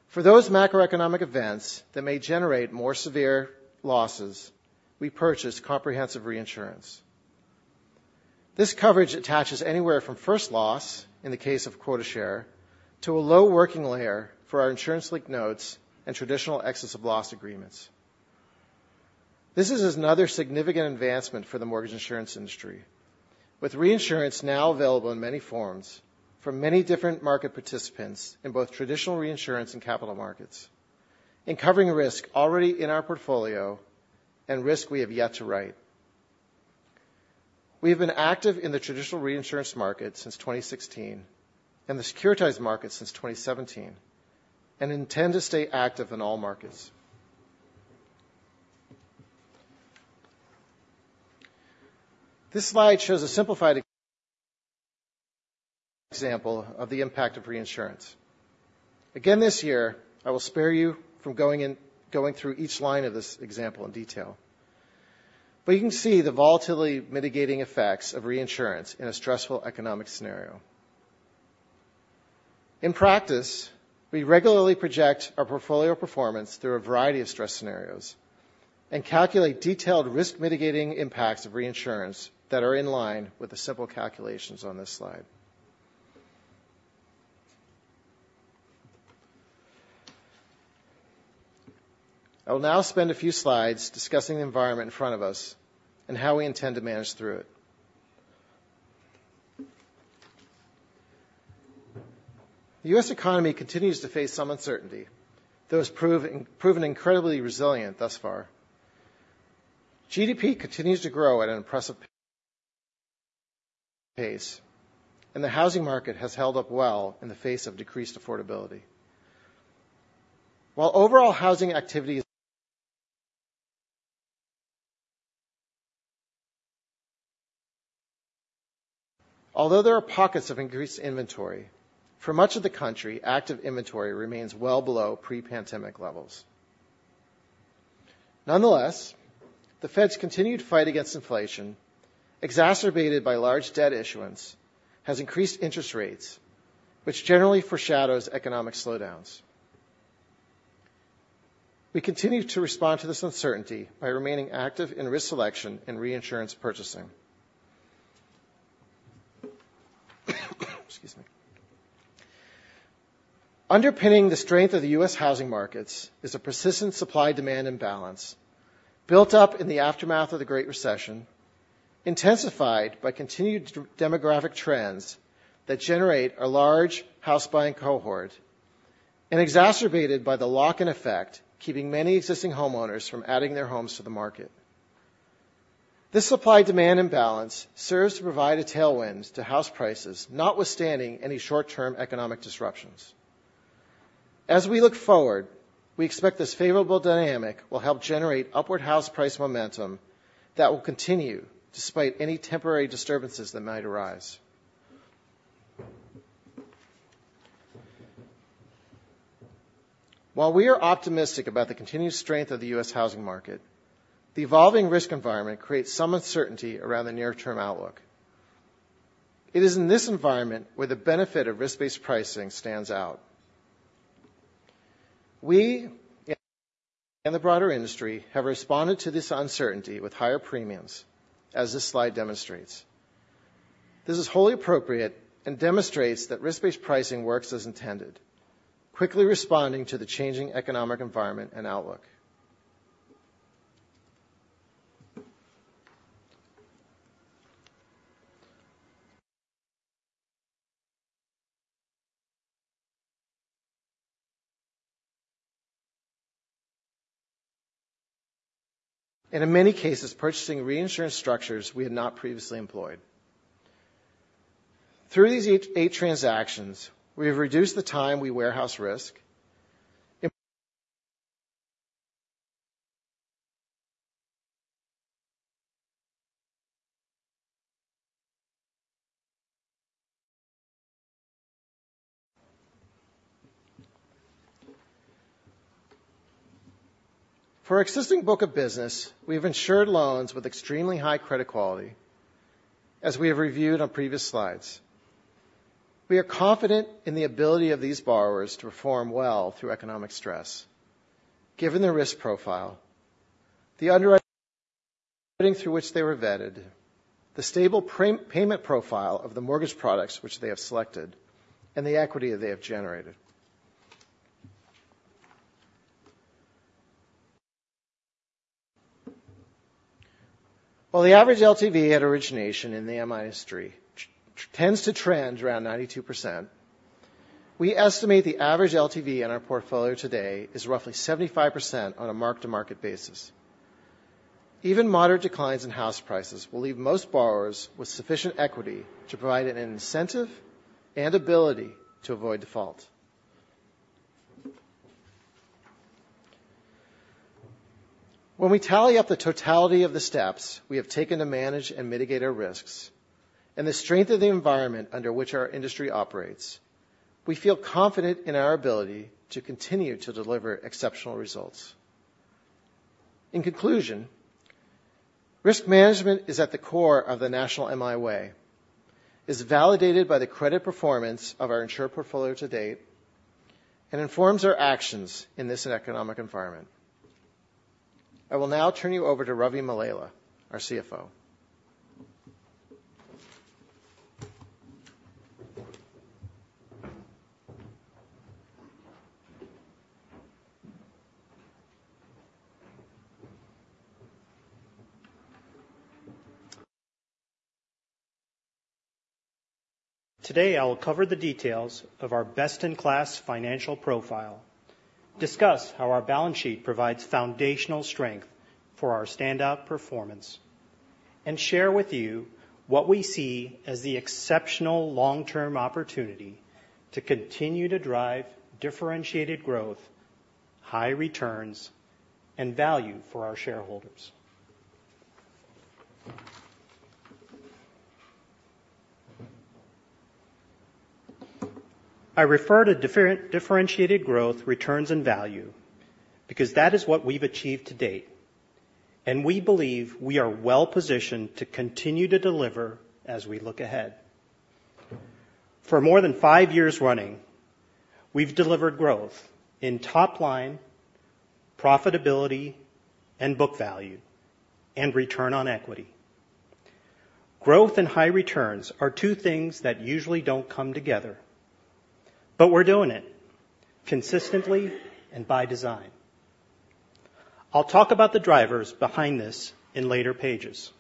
For those macroeconomic events that may generate more severe losses, we purchase comprehensive reinsurance. This coverage attaches anywhere from first loss, in the case of quota share, to a low working layer for our insurance-linked notes and traditional excess of loss agreements. This is another significant advancement for the mortgage insurance industry, with reinsurance now available in many forms from many different market participants in both traditional reinsurance and capital markets, and covering risk already in our portfolio and risk we have yet to write. We have been active in the traditional reinsurance market since 2016 and the securitized market since 2017 and intend to stay active in all markets. This slide shows a simplified example of the impact of reinsurance. Again, this year, I will spare you from going through each line of this example in detail. But you can see the volatility-mitigating effects of reinsurance in a stressful economic scenario. In practice, we regularly project our portfolio performance through a variety of stress scenarios and calculate detailed risk-mitigating impacts of reinsurance that are in line with the simple calculations on this slide. I will now spend a few slides discussing the environment in front of us and how we intend to manage through it. The U.S. economy continues to face some uncertainty, though it's proven incredibly resilient thus far. GDP continues to grow at an impressive pace, and the housing market has held up well in the face of decreased affordability. While overall housing activity, although there are pockets of increased inventory, for much of the country, active inventory remains well below pre-pandemic levels. Nonetheless, the Fed's continued fight against inflation, exacerbated by large debt issuance, has increased interest rates, which generally foreshadows economic slowdowns. We continue to respond to this uncertainty by remaining active in risk selection and reinsurance purchasing. Excuse me. Underpinning the strength of the U.S. housing markets is a persistent supply-demand imbalance built up in the aftermath of the Great Recession, intensified by continued demographic trends that generate a large house-buying cohort, and exacerbated by the lock-in effect, keeping many existing homeowners from adding their homes to the market. This supply-demand imbalance serves to provide a tailwind to house prices, notwithstanding any short-term economic disruptions. As we look forward, we expect this favorable dynamic will help generate upward house price momentum that will continue despite any temporary disturbances that might arise... While we are optimistic about the continued strength of the U.S. housing market, the evolving risk environment creates some uncertainty around the near-term outlook. It is in this environment where the benefit of risk-based pricing stands out. We and the broader industry have responded to this uncertainty with higher premiums, as this slide demonstrates. This is wholly appropriate and demonstrates that risk-based pricing works as intended, quickly responding to the changing economic environment and outlook. In many cases, purchasing reinsurance structures we had not previously employed. Through these 8 transactions, we have reduced the time we warehouse risk. For our existing book of business, we have insured loans with extremely high credit quality, as we have reviewed on previous slides. We are confident in the ability of these borrowers to perform well through economic stress, given their risk profile, the underwriting through which they were vetted, the stable payment profile of the mortgage products which they have selected, and the equity they have generated. While the average LTV at origination in the MI industry tends to trend around 92%, we estimate the average LTV in our portfolio today is roughly 75% on a mark-to-market basis. Even moderate declines in house prices will leave most borrowers with sufficient equity to provide an incentive and ability to avoid default. When we tally up the totality of the steps we have taken to manage and mitigate our risks and the strength of the environment under which our industry operates, we feel confident in our ability to continue to deliver exceptional results. In conclusion, risk management is at the core of the National MI Way, is validated by the credit performance of our insured portfolio to date, and informs our actions in this economic environment. I will now turn you over to Ravi Mallela, our CFO. Today, I will cover the details of our best-in-class financial profile, discuss how our balance sheet provides foundational strength for our standout performance, and share with you what we see as the exceptional long-term opportunity to continue to drive differentiated growth, high returns, and value for our shareholders. I refer to differentiated growth, returns, and value because that is what we've achieved to date, and we believe we are well-positioned to continue to deliver as we look ahead. For more than five years running, we've delivered growth in top line, profitability, and book value, and return on equity. Growth and high returns are two things that usually don't come together, but we're doing it consistently and by design. I'll talk about the drivers behind this in later pages.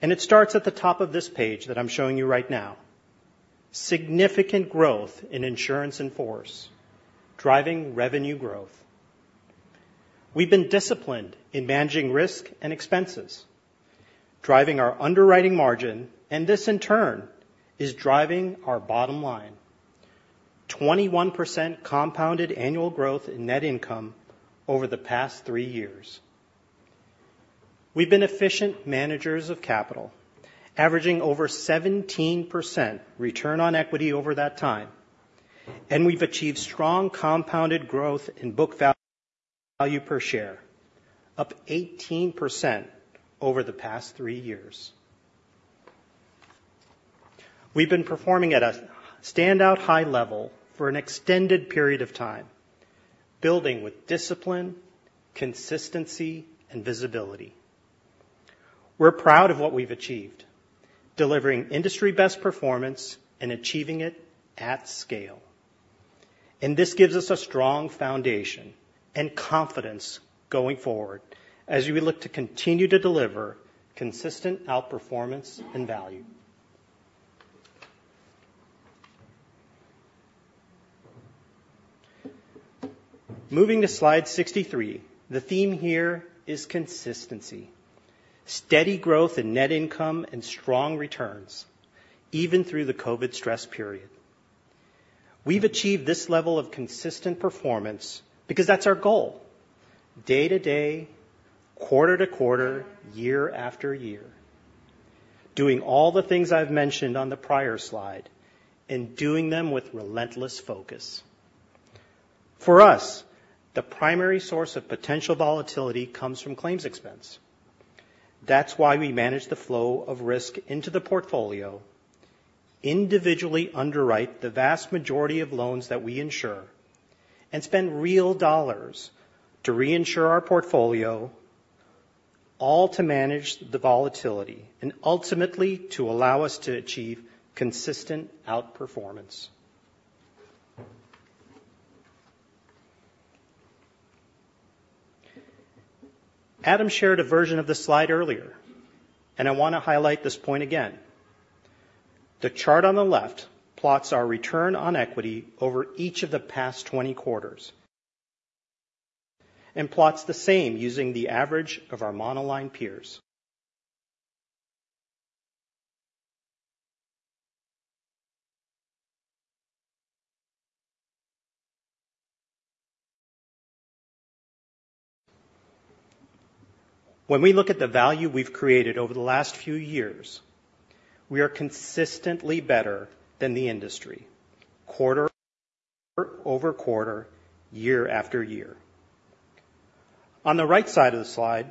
It starts at the top of this page that I'm showing you right now. Significant growth in insurance in force, driving revenue growth. We've been disciplined in managing risk and expenses, driving our underwriting margin, and this, in turn, is driving our bottom line. 21% compounded annual growth in net income over the past three years. We've been efficient managers of capital, averaging over 17% return on equity over that time, and we've achieved strong compounded growth in book value per share, up 18% over the past three years. We've been performing at a standout high level for an extended period of time, building with discipline, consistency, and visibility. We're proud of what we've achieved, delivering industry-best performance and achieving it at scale. And this gives us a strong foundation and confidence going forward as we look to continue to deliver consistent outperformance and value. Moving to slide 63, the theme here is consistency. Steady growth in net income and strong returns, even through the COVID stress period. We've achieved this level of consistent performance because that's our goal, day to day, quarter to quarter, year after year.... doing all the things I've mentioned on the prior slide and doing them with relentless focus. For us, the primary source of potential volatility comes from claims expense. That's why we manage the flow of risk into the portfolio, individually underwrite the vast majority of loans that we insure, and spend real dollars to reinsure our portfolio, all to manage the volatility and ultimately to allow us to achieve consistent outperformance. Adam shared a version of this slide earlier, and I wanna highlight this point again. The chart on the left plots our return on equity over each of the past 20 quarters, and plots the same using the average of our monoline peers. When we look at the value we've created over the last few years, we are consistently better than the industry, quarter-over-quarter, year-over-year. On the right side of the slide,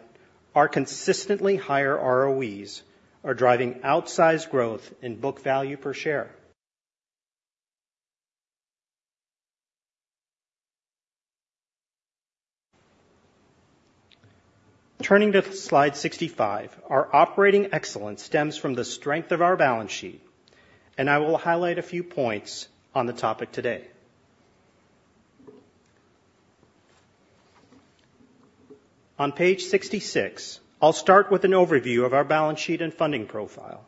our consistently higher ROEs are driving outsized growth in book value per share. Turning to slide 65, our operating excellence stems from the strength of our balance sheet, and I will highlight a few points on the topic today. On page 66, I'll start with an overview of our balance sheet and funding profile.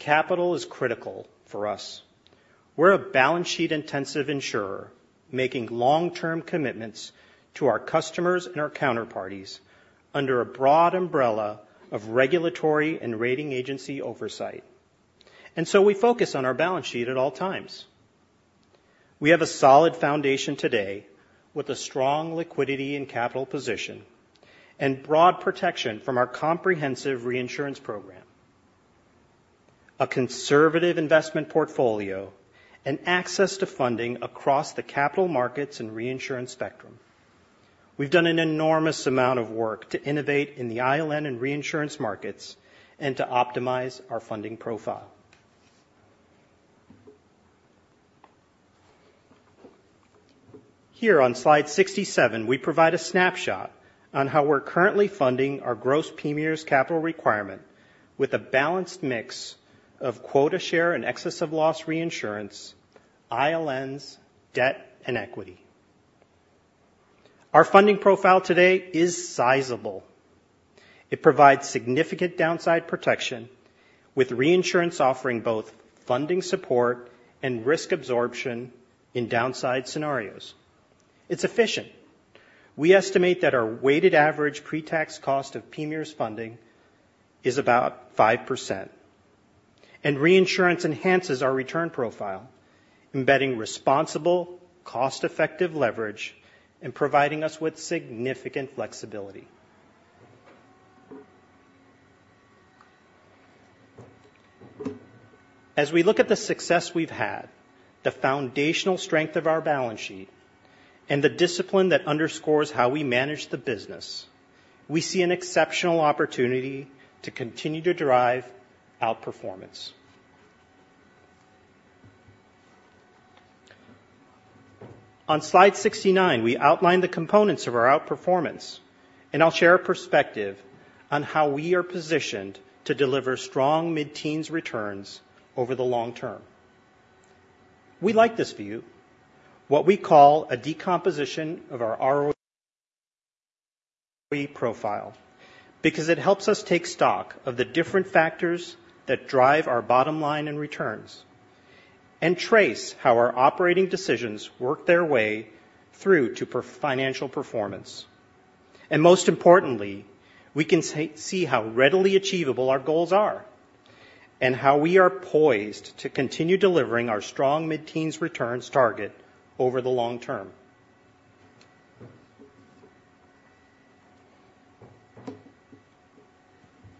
Capital is critical for us. We're a balance sheet-intensive insurer, making long-term commitments to our customers and our counterparties under a broad umbrella of regulatory and rating agency oversight, and so we focus on our balance sheet at all times. We have a solid foundation today, with a strong liquidity and capital position and broad protection from our comprehensive reinsurance program, a conservative investment portfolio, and access to funding across the capital markets and reinsurance spectrum. We've done an enormous amount of work to innovate in the ILN and reinsurance markets and to optimize our funding profile. Here on slide 67, we provide a snapshot on how we're currently funding our gross PMIERs capital requirement with a balanced mix of quota share and excess of loss reinsurance, ILNs, debt, and equity. Our funding profile today is sizable. It provides significant downside protection, with reinsurance offering both funding support and risk absorption in downside scenarios. It's efficient. We estimate that our weighted average pre-tax cost of PMIERs funding is about 5%, and reinsurance enhances our return profile, embedding responsible, cost-effective leverage and providing us with significant flexibility. As we look at the success we've had, the foundational strength of our balance sheet, and the discipline that underscores how we manage the business, we see an exceptional opportunity to continue to drive outperformance. On slide 69, we outline the components of our outperformance, and I'll share a perspective on how we are positioned to deliver strong mid-teens returns over the long term. We like this view, what we call a decomposition of our ROE profile, because it helps us take stock of the different factors that drive our bottom line and returns, and trace how our operating decisions work their way through to per financial performance. Most importantly, we can see how readily achievable our goals are and how we are poised to continue delivering our strong mid-teens returns target over the long term.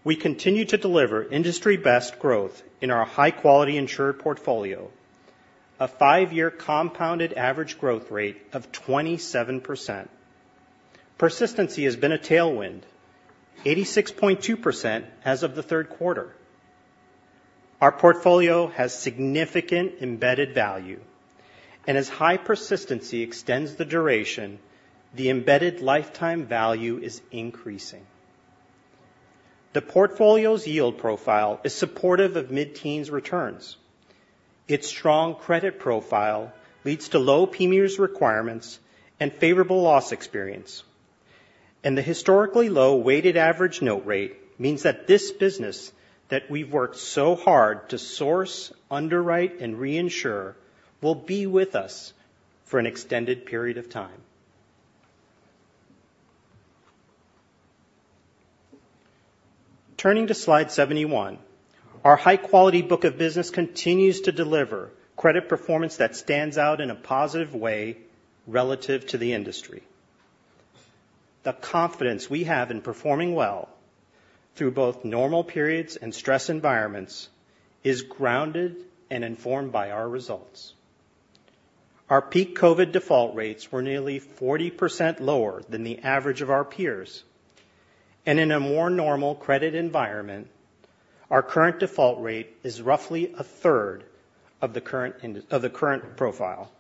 We continue to deliver industry-best growth in our high-quality insured portfolio, a 5-year compounded average growth rate of 27%. Persistency has been a tailwind, 86.2% as of the third quarter. Our portfolio has significant embedded value, and as high persistency extends the duration, the embedded lifetime value is increasing. The portfolio's yield profile is supportive of mid-teens returns. Its strong credit profile leads to low PMIERs requirements and favorable loss experience. And the historically low weighted average note rate means that this business that we've worked so hard to source, underwrite, and reinsure will be with us for an extended period of time. Turning to slide 71, our high-quality book of business continues to deliver credit performance that stands out in a positive way relative to the industry.... The confidence we have in performing well through both normal periods and stress environments is grounded and informed by our results. Our peak COVID default rates were nearly 40% lower than the average of our peers, and in a more normal credit environment, our current default rate is roughly a third of the current profile.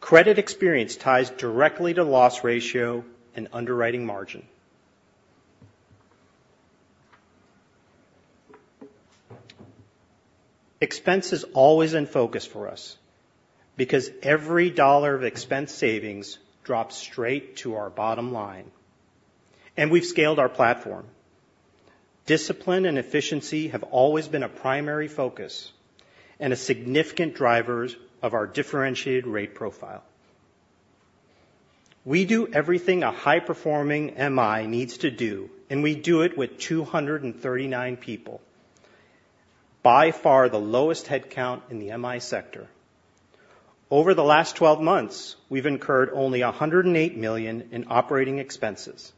Credit experience ties directly to loss ratio and underwriting margin. Expense is always in focus for us, because every dollar of expense savings drops straight to our bottom line, and we've scaled our platform. Discipline and efficiency have always been a primary focus and a significant drivers of our differentiated rate profile. We do everything a high-performing MI needs to do, and we do it with 239 people, by far the lowest headcount in the MI sector. Over the last 12 months, we've incurred only $108 million in operating expenses,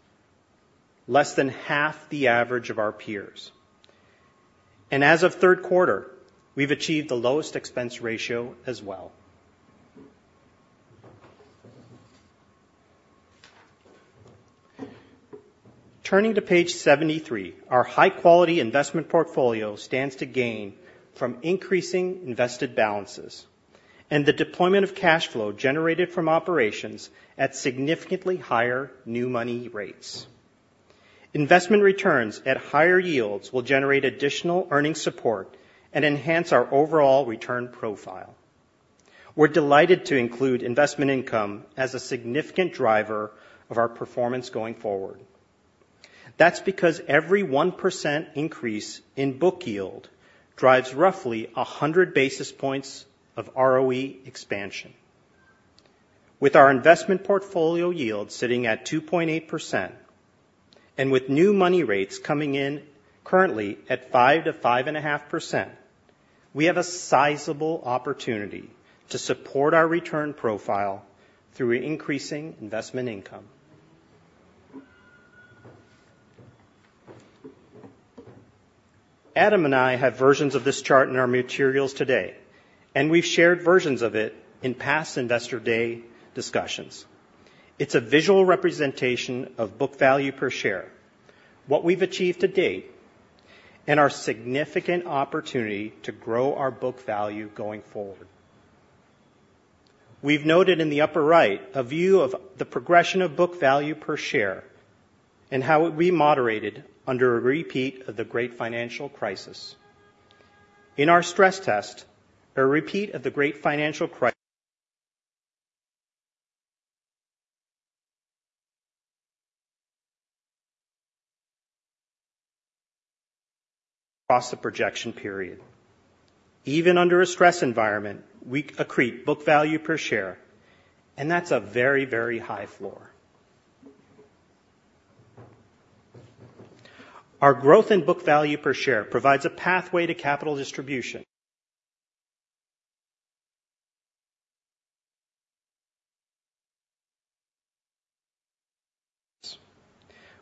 less than half the average of our peers. As of third quarter, we've achieved the lowest expense ratio as well. Turning to page 73, our high-quality investment portfolio stands to gain from increasing invested balances and the deployment of cash flow generated from operations at significantly higher new money rates. Investment returns at higher yields will generate additional earning support and enhance our overall return profile. We're delighted to include investment income as a significant driver of our performance going forward. That's because every 1% increase in book yield drives roughly 100 basis points of ROE expansion. With our investment portfolio yield sitting at 2.8% and with new money rates coming in currently at 5%-5.5%, we have a sizable opportunity to support our return profile through increasing investment income. Adam and I have versions of this chart in our materials today, and we've shared versions of it in past Investor Day discussions. It's a visual representation of book value per share, what we've achieved to date, and our significant opportunity to grow our book value going forward. We've noted in the upper right a view of the progression of book value per share and how it would be moderated under a repeat of the Great Financial Crisis. In our stress test, a repeat of the Great Financial Crisis across the projection period. Even under a stress environment, we accrete book value per share, and that's a very, very high floor. Our growth in book value per share provides a pathway to capital distribution.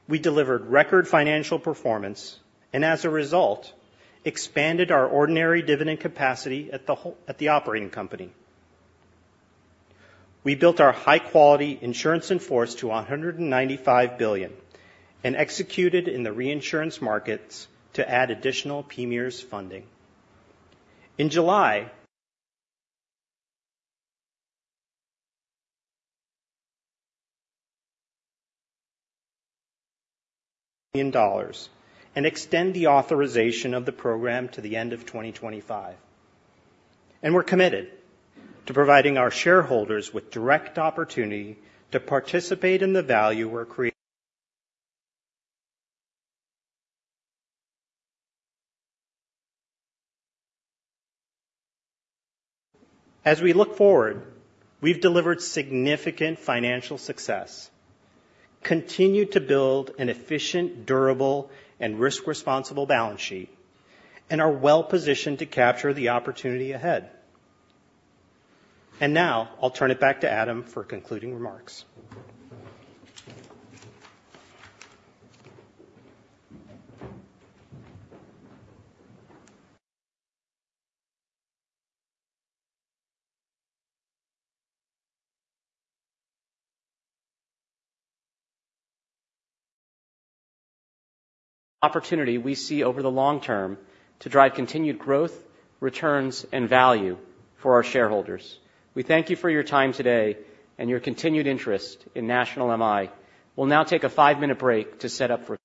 We delivered record financial performance, and as a result, expanded our ordinary dividend capacity at the Holdco, at the operating company. We built our high-quality insurance in force to $195 billion and executed in the reinsurance markets to add additional premiums funding. In July... $ million dollars, and extend the authorization of the program to the end of 2025. We're committed to providing our shareholders with direct opportunity to participate in the value we're creating. As we look forward, we've delivered significant financial success, continued to build an efficient, durable, and risk-responsible balance sheet, and are well-positioned to capture the opportunity ahead. Now I'll turn it back to Adam for concluding remarks. Opportunity we see over the long term to drive continued growth, returns, and value for our shareholders. We thank you for your time today and your continued interest in National MI. We'll now take a five-minute break to set up for- ...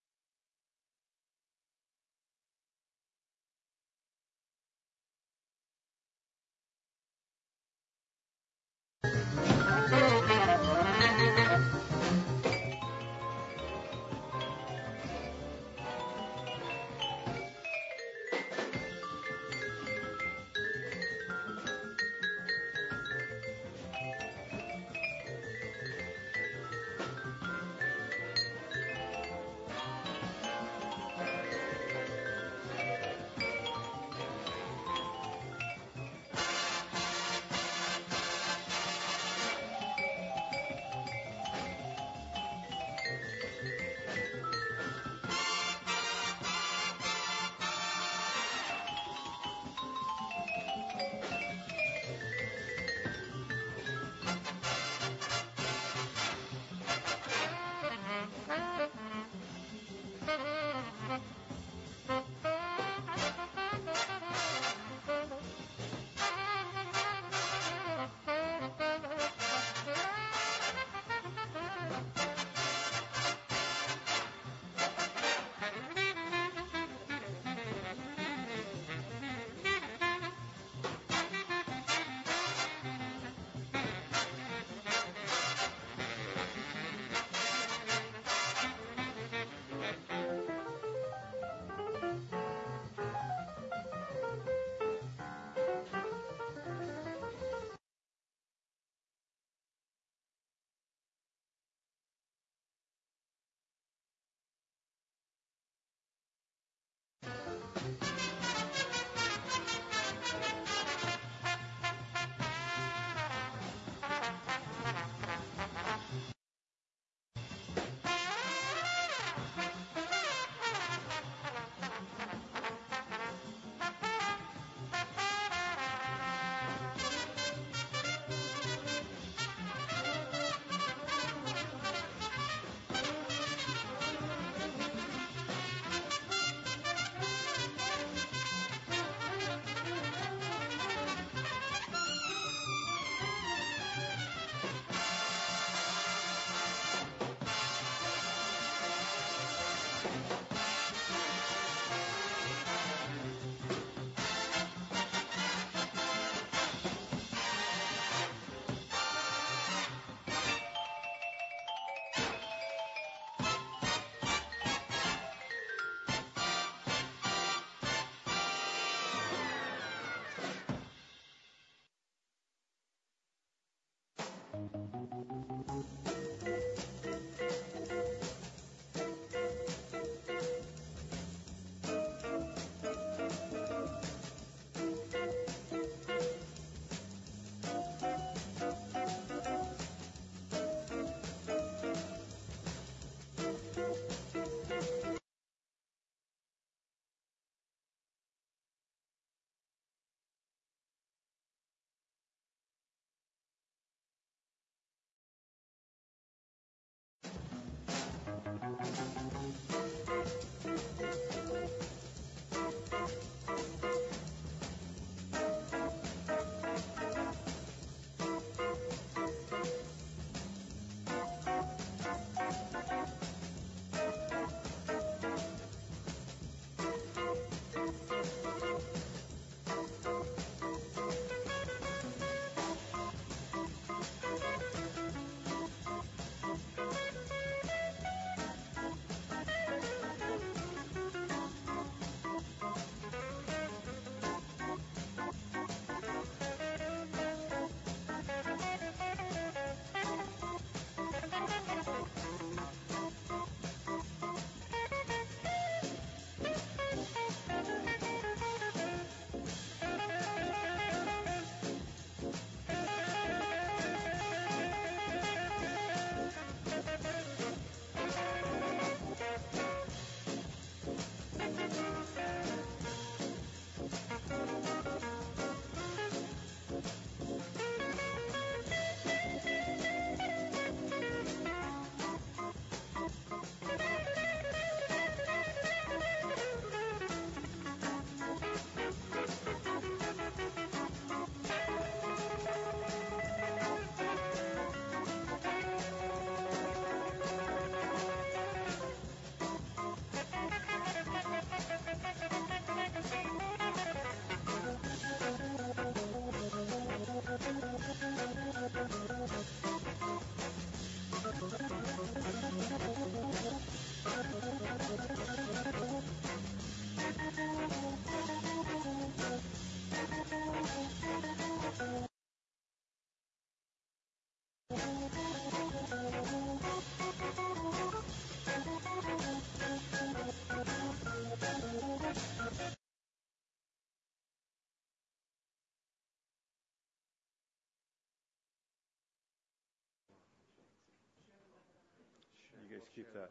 You guys keep that.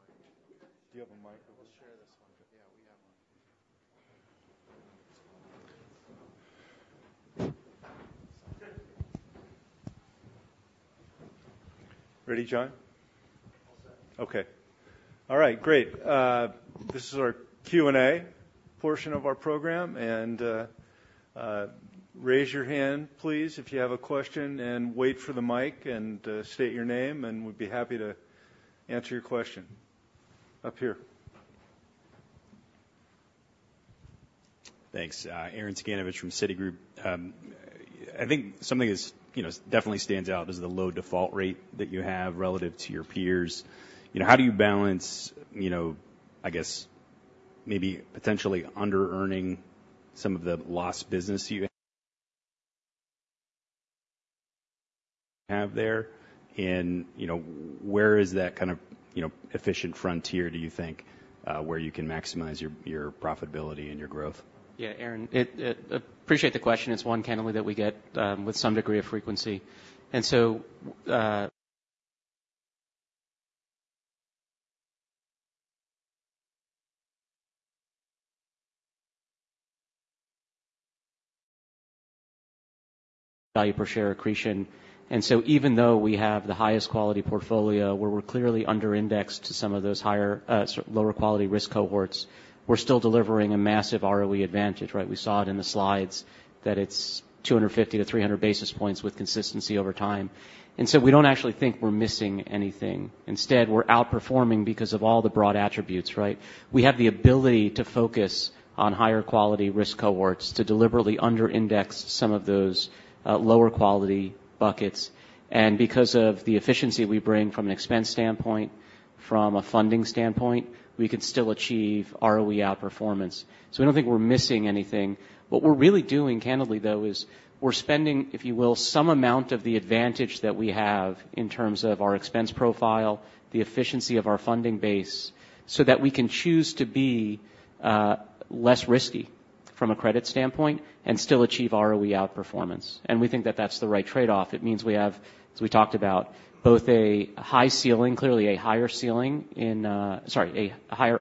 Do you have a microphone? We'll share this one. Yeah, we have one. Ready, John? All set. Okay. All right, great. This is our Q&A portion of our program, and raise your hand, please, if you have a question, and wait for the mic and state your name, and we'd be happy to answer your question. Up here. Thanks. Arren Cyganovich from Citigroup. I think something is, you know, definitely stands out is the low default rate that you have relative to your peers. You know, how do you balance, you know, I guess, maybe potentially under-earning some of the lost business you-?... have there? And, you know, where is that kind of, you know, efficient frontier, do you think, where you can maximize your profitability and your growth? Yeah, Arren, appreciate the question. It's one candidly, that we get with some degree of frequency. And so, value per share accretion. And so even though we have the highest quality portfolio, where we're clearly under indexed to some of those higher, sorry, lower quality risk cohorts, we're still delivering a massive ROE advantage, right? We saw it in the slides that it's 250-300 basis points with consistency over time. And so we don't actually think we're missing anything. Instead, we're outperforming because of all the broad attributes, right? We have the ability to focus on higher quality risk cohorts to deliberately under index some of those, lower quality buckets. And because of the efficiency we bring from an expense standpoint, from a funding standpoint, we could still achieve ROE outperformance. So we don't think we're missing anything. What we're really doing, candidly, though, is we're spending, if you will, some amount of the advantage that we have in terms of our expense profile, the efficiency of our funding base, so that we can choose to be less risky from a credit standpoint and still achieve ROE outperformance. And we think that that's the right trade-off. It means we have, as we talked about, both a high ceiling, clearly a higher ceiling in... Sorry, a higher-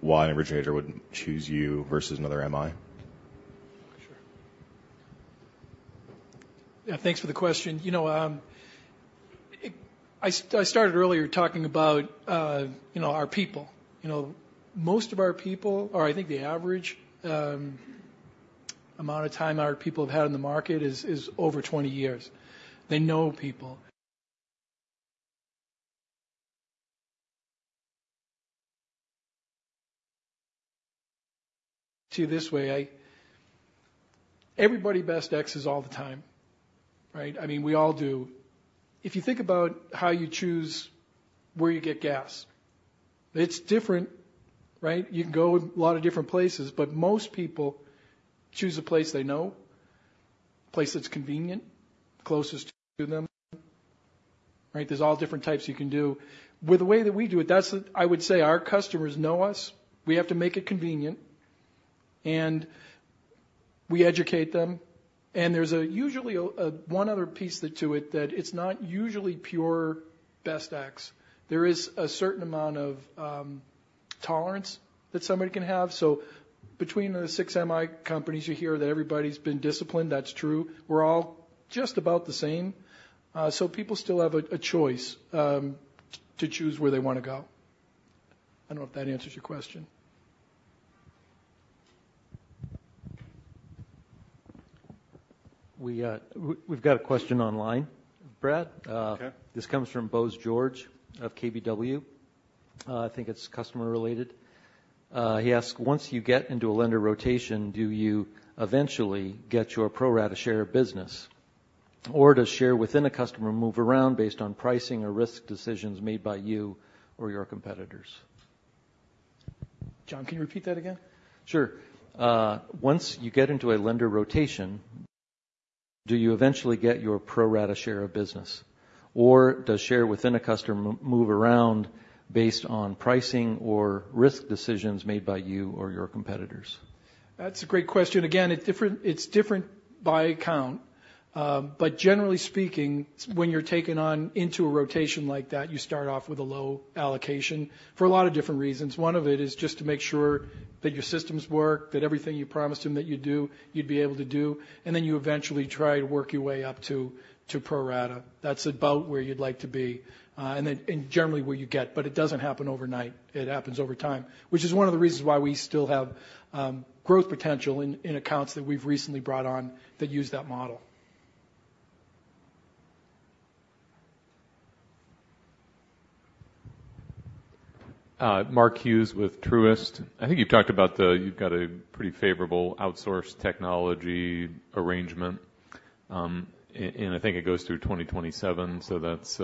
Why an originator would choose you versus another MI? Sure. Thanks for the question. You know, I started earlier talking about, you know, our people. You know, most of our people, or I think the average amount of time our people have had in the market is over 20 years. They know people. To you this way, everybody Best Ex's all the time, right? I mean, we all do. If you think about how you choose where you get gas, it's different, right? You can go a lot of different places, but most people choose a place they know, a place that's convenient, closest to them, right? There's all different types you can do. With the way that we do it, that's the- I would say, our customers know us. We have to make it convenient, and we educate them, and there's usually a one other piece to it, that it's not usually pure Best Ex. There is a certain amount of tolerance that somebody can have. So between the six MI companies, you hear that everybody's been disciplined. That's true. We're all just about the same. So people still have a choice to choose where they want to go. I don't know if that answers your question. We, we've got a question online, Brad. Okay. This comes from Bose George of KBW. I think it's customer related. He asked, "Once you get into a lender rotation, do you eventually get your pro-rata share of business, or does share within a customer move around based on pricing or risk decisions made by you or your competitors? John, can you repeat that again? Sure. Once you get into a lender rotation, do you eventually get your pro-rata share of business, or does share within a customer move around based on pricing or risk decisions made by you or your competitors? That's a great question. Again, it's different, it's different by account. But generally speaking, when you're taken on into a rotation like that, you start off with a low allocation for a lot of different reasons. One of it is just to make sure that your systems work, that everything you promised them that you'd do, you'd be able to do, and then you eventually try to work your way up to pro rata. That's about where you'd like to be, and then and generally where you get, but it doesn't happen overnight. It happens over time, which is one of the reasons why we still have growth potential in accounts that we've recently brought on that use that model. Mark Hughes with Truist. I think you've talked about the... You've got a pretty favorable outsourced technology arrangement, and I think it goes through 2027, so that's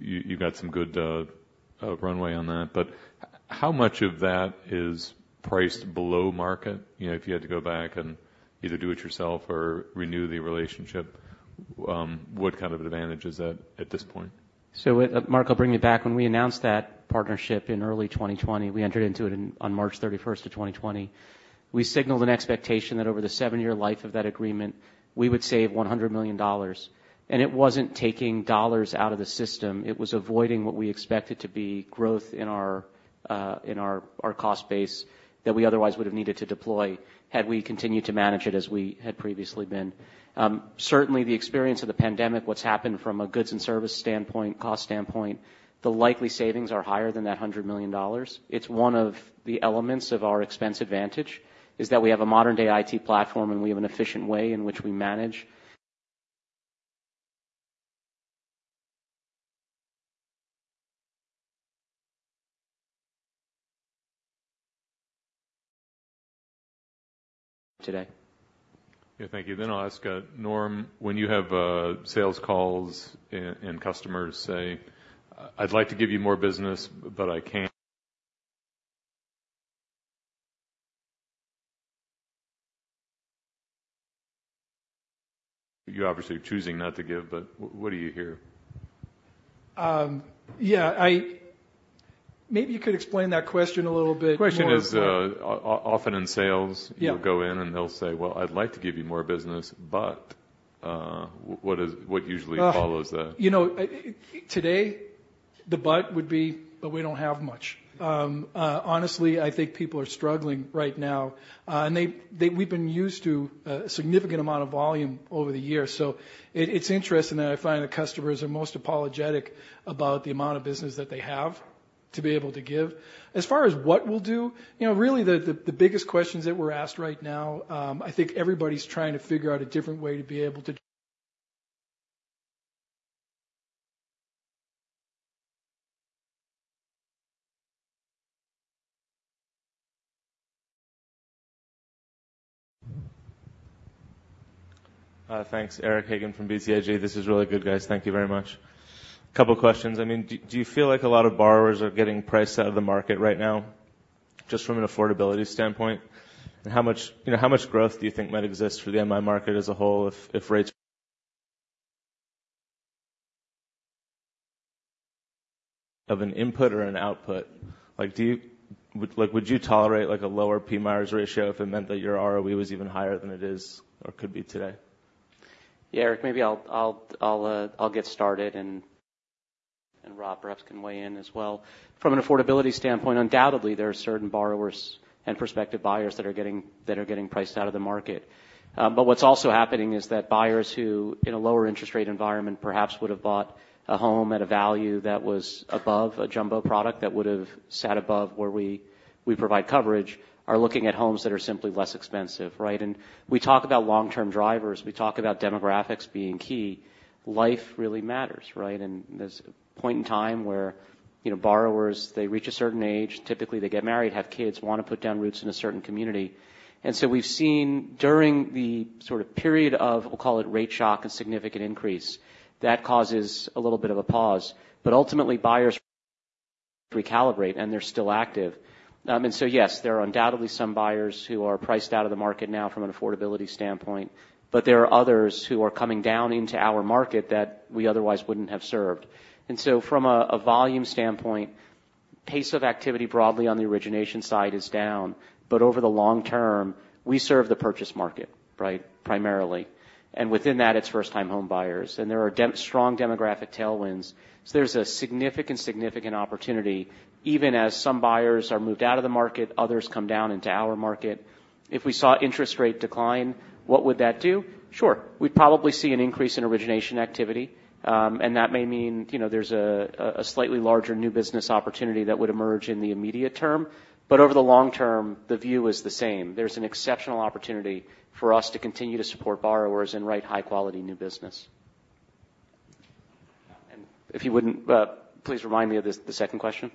you got some good runway on that. But how much of that is priced below market? You know, if you had to go back and either do it yourself or renew the relationship, what kind of advantage is that at this point? So Mark, I'll bring you back. When we announced that partnership in early 2020, we entered into it in, on March 31 of 2020. We signaled an expectation that over the 7-year life of that agreement, we would save $100 million, and it wasn't taking dollars out of the system, it was avoiding what we expected to be growth in our, in our cost base that we otherwise would have needed to deploy had we continued to manage it as we had previously been. Certainly, the experience of the pandemic, what's happened from a goods and service standpoint, cost standpoint, the likely savings are higher than that $100 million. It's one of the elements of our expense advantage, is that we have a modern-day IT platform, and we have an efficient way in which we manage.... today? Yeah, thank you. Then I'll ask, Norm, when you have sales calls and customers say, "I'd like to give you more business, but I can't," you're obviously choosing not to give, but what do you hear? Yeah, maybe you could explain that question a little bit more. The question is, often in sales- Yeah You'll go in, and they'll say: "Well, I'd like to give you more business, but..." What is—what usually follows that? Ugh! You know, today, the but would be, "But we don't have much." Honestly, I think people are struggling right now. And they've been used to a significant amount of volume over the years. So it's interesting that I find that customers are most apologetic about the amount of business that they have to be able to give. As far as what we'll do, you know, really, the biggest questions that we're asked right now. I think everybody's trying to figure out a different way to be able to- Thanks. Eric Hagen from BTIG. This is really good, guys. Thank you very much. A couple questions. I mean, do you feel like a lot of borrowers are getting priced out of the market right now, just from an affordability standpoint? And how much, you know, how much growth do you think might exist for the MI market as a whole if rates- of an input or an output? Like, do you-- would, like, would you tolerate, like, a lower PMI ratio if it meant that your ROE was even higher than it is or could be today? Yeah, Eric, maybe I'll get started and Rob perhaps can weigh in as well. From an affordability standpoint, undoubtedly, there are certain borrowers and prospective buyers that are getting priced out of the market. But what's also happening is that buyers who, in a lower interest rate environment, perhaps would have bought a home at a value that was above a jumbo product, that would've sat above where we provide coverage, are looking at homes that are simply less expensive, right? And we talk about long-term drivers. We talk about demographics being key. Life really matters, right? And there's a point in time where, you know, borrowers, they reach a certain age. Typically, they get married, have kids, want to put down roots in a certain community. And so we've seen during the sort of period of, we'll call it, rate shock, a significant increase. That causes a little bit of a pause, but ultimately, buyers recalibrate, and they're still active. And so, yes, there are undoubtedly some buyers who are priced out of the market now from an affordability standpoint, but there are others who are coming down into our market that we otherwise wouldn't have served. And so from a, a volume standpoint, pace of activity broadly on the origination side is down, but over the long term, we serve the purchase market, right? Primarily. And within that, it's first-time home buyers, and there are demographic strong demographic tailwinds. So there's a significant, significant opportunity. Even as some buyers are moved out of the market, others come down into our market. If we saw interest rate decline, what would that do? Sure, we'd probably see an increase in origination activity, and that may mean, you know, there's a slightly larger new business opportunity that would emerge in the immediate term. But over the long term, the view is the same. There's an exceptional opportunity for us to continue to support borrowers and write high-quality new business. And if you wouldn't, please remind me of the second question.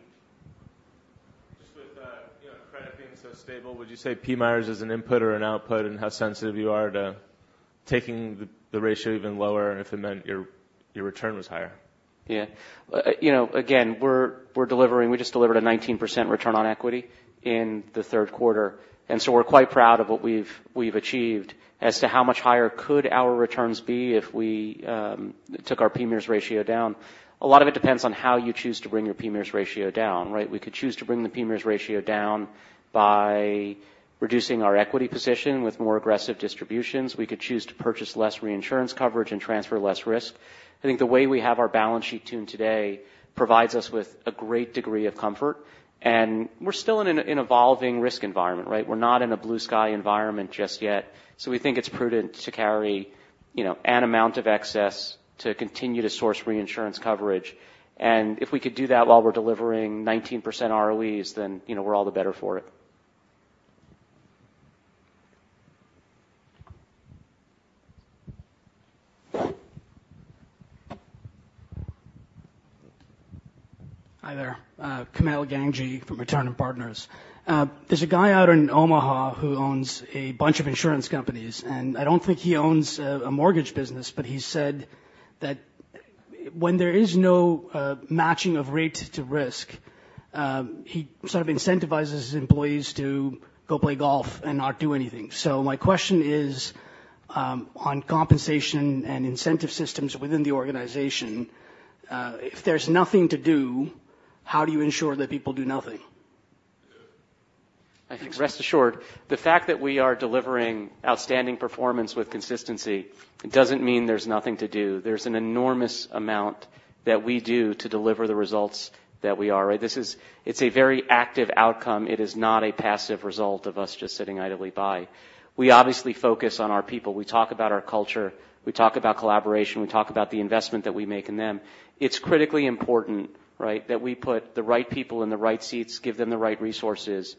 Just with, you know, credit being so stable, would you say PMI is an input or an output, and how sensitive you are to taking the ratio even lower, and if it meant your return was higher? Yeah. You know, again, we're delivering. We just delivered a 19% return on equity in the third quarter, and so we're quite proud of what we've achieved. As to how much higher could our returns be if we took our PMI ratio down, a lot of it depends on how you choose to bring your PMI ratio down, right? We could choose to bring the PMI ratio down by reducing our equity position with more aggressive distributions. We could choose to purchase less reinsurance coverage and transfer less risk. I think the way we have our balance sheet tuned today provides us with a great degree of comfort, and we're still in an evolving risk environment, right? We're not in a blue sky environment just yet. So we think it's prudent to carry, you know, an amount of excess to continue to source reinsurance coverage. And if we could do that while we're delivering 19% ROEs, then, you know, we're all the better for it. Hi there, Kamal Gajri from Return on Partners. There's a guy out in Omaha who owns a bunch of insurance companies, and I don't think he owns a mortgage business, but he said that when there is no matching of rate to risk, he sort of incentivizes his employees to go play golf and not do anything. So my question is, on compensation and incentive systems within the organization, if there's nothing to do, how do you ensure that people do nothing? I think, rest assured, the fact that we are delivering outstanding performance with consistency doesn't mean there's nothing to do. There's an enormous amount that we do to deliver the results that we are. Right? This is. It's a very active outcome. It is not a passive result of us just sitting idly by. We obviously focus on our people. We talk about our culture. We talk about collaboration. We talk about the investment that we make in them. It's critically important, right, that we put the right people in the right seats, give them the right resources,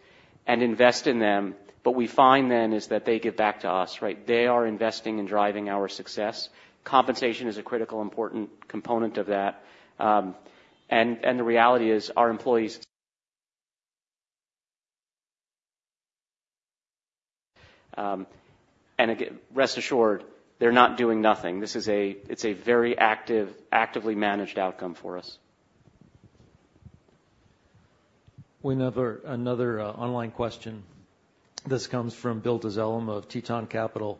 and invest in them. What we find then is that they give back to us, right? They are investing and driving our success. Compensation is a critical, important component of that. And the reality is, and again, rest assured, our employees are not doing nothing. This is, it's a very active, actively managed outcome for us. We have another online question. This comes from Bill Dezellem of Tieton Capital: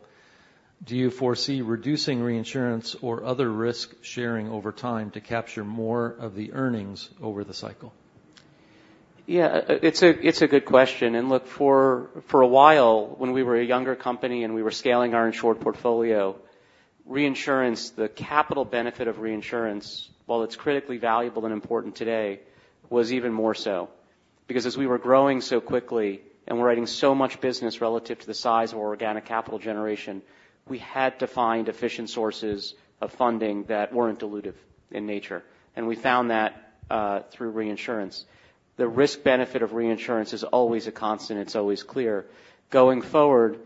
Do you foresee reducing reinsurance or other risk-sharing over time to capture more of the earnings over the cycle? Yeah, it's a good question, and look, for a while, when we were a younger company, and we were scaling our insured portfolio, reinsurance—the capital benefit of reinsurance, while it's critically valuable and important today, was even more so. Because as we were growing so quickly and we're writing so much business relative to the size of organic capital generation, we had to find efficient sources of funding that weren't dilutive in nature, and we found that through reinsurance. The risk benefit of reinsurance is always a constant, it's always clear. Going forward,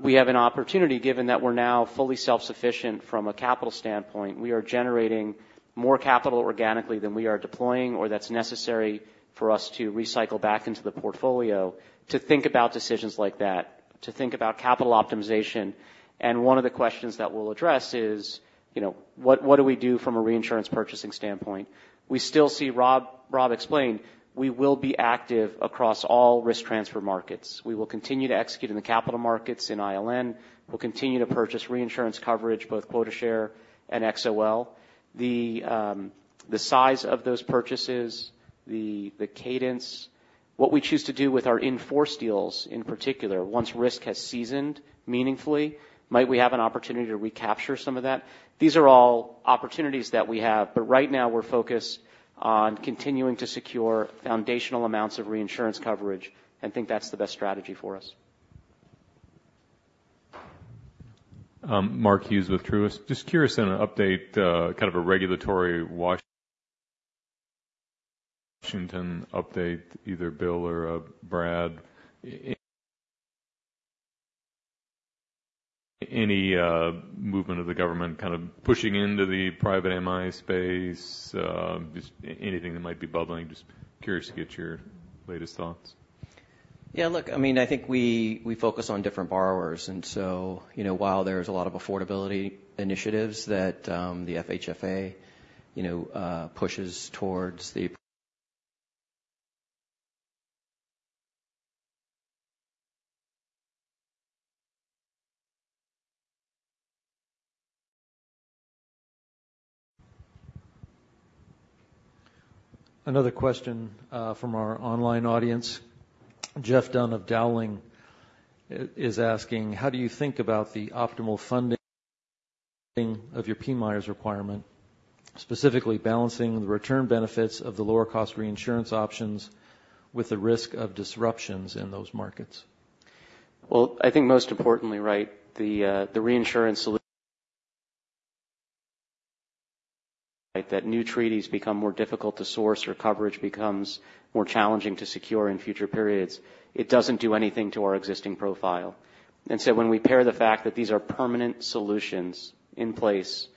we have an opportunity, given that we're now fully self-sufficient from a capital standpoint. We are generating more capital organically than we are deploying, or that's necessary for us to recycle back into the portfolio to think about decisions like that, to think about capital optimization. One of the questions that we'll address is, you know, what do we do from a reinsurance purchasing standpoint? We still see Rob explain, we will be active across all risk transfer markets. We will continue to execute in the capital markets in ILN. We'll continue to purchase reinsurance coverage, both quota share and XOL. The size of those purchases, the cadence, what we choose to do with our in-force deals, in particular, once risk has seasoned meaningfully, might we have an opportunity to recapture some of that? These are all opportunities that we have, but right now we're focused on continuing to secure foundational amounts of reinsurance coverage and think that's the best strategy for us. Mark Hughes with Truist. Just curious on an update, kind of a regulatory Washington update, either Bill or Brad. Any movement of the government kind of pushing into the private MI space? Just anything that might be bubbling. Just curious to get your latest thoughts. Yeah, look, I mean, I think we, we focus on different borrowers, and so, you know, while there's a lot of affordability initiatives that the FHFA, you know, pushes towards the- Another question from our online audience. Jeff Dunn of Dowling is asking: How do you think about the optimal funding, funding of your PMIERs requirement, specifically balancing the return benefits of the lower-cost reinsurance options with the risk of disruptions in those markets? Well, I think most importantly, right, that new treaties become more difficult to source or coverage becomes more challenging to secure in future periods. It doesn't do anything to our existing profile. And so when we pair the fact that these are permanent solutions in place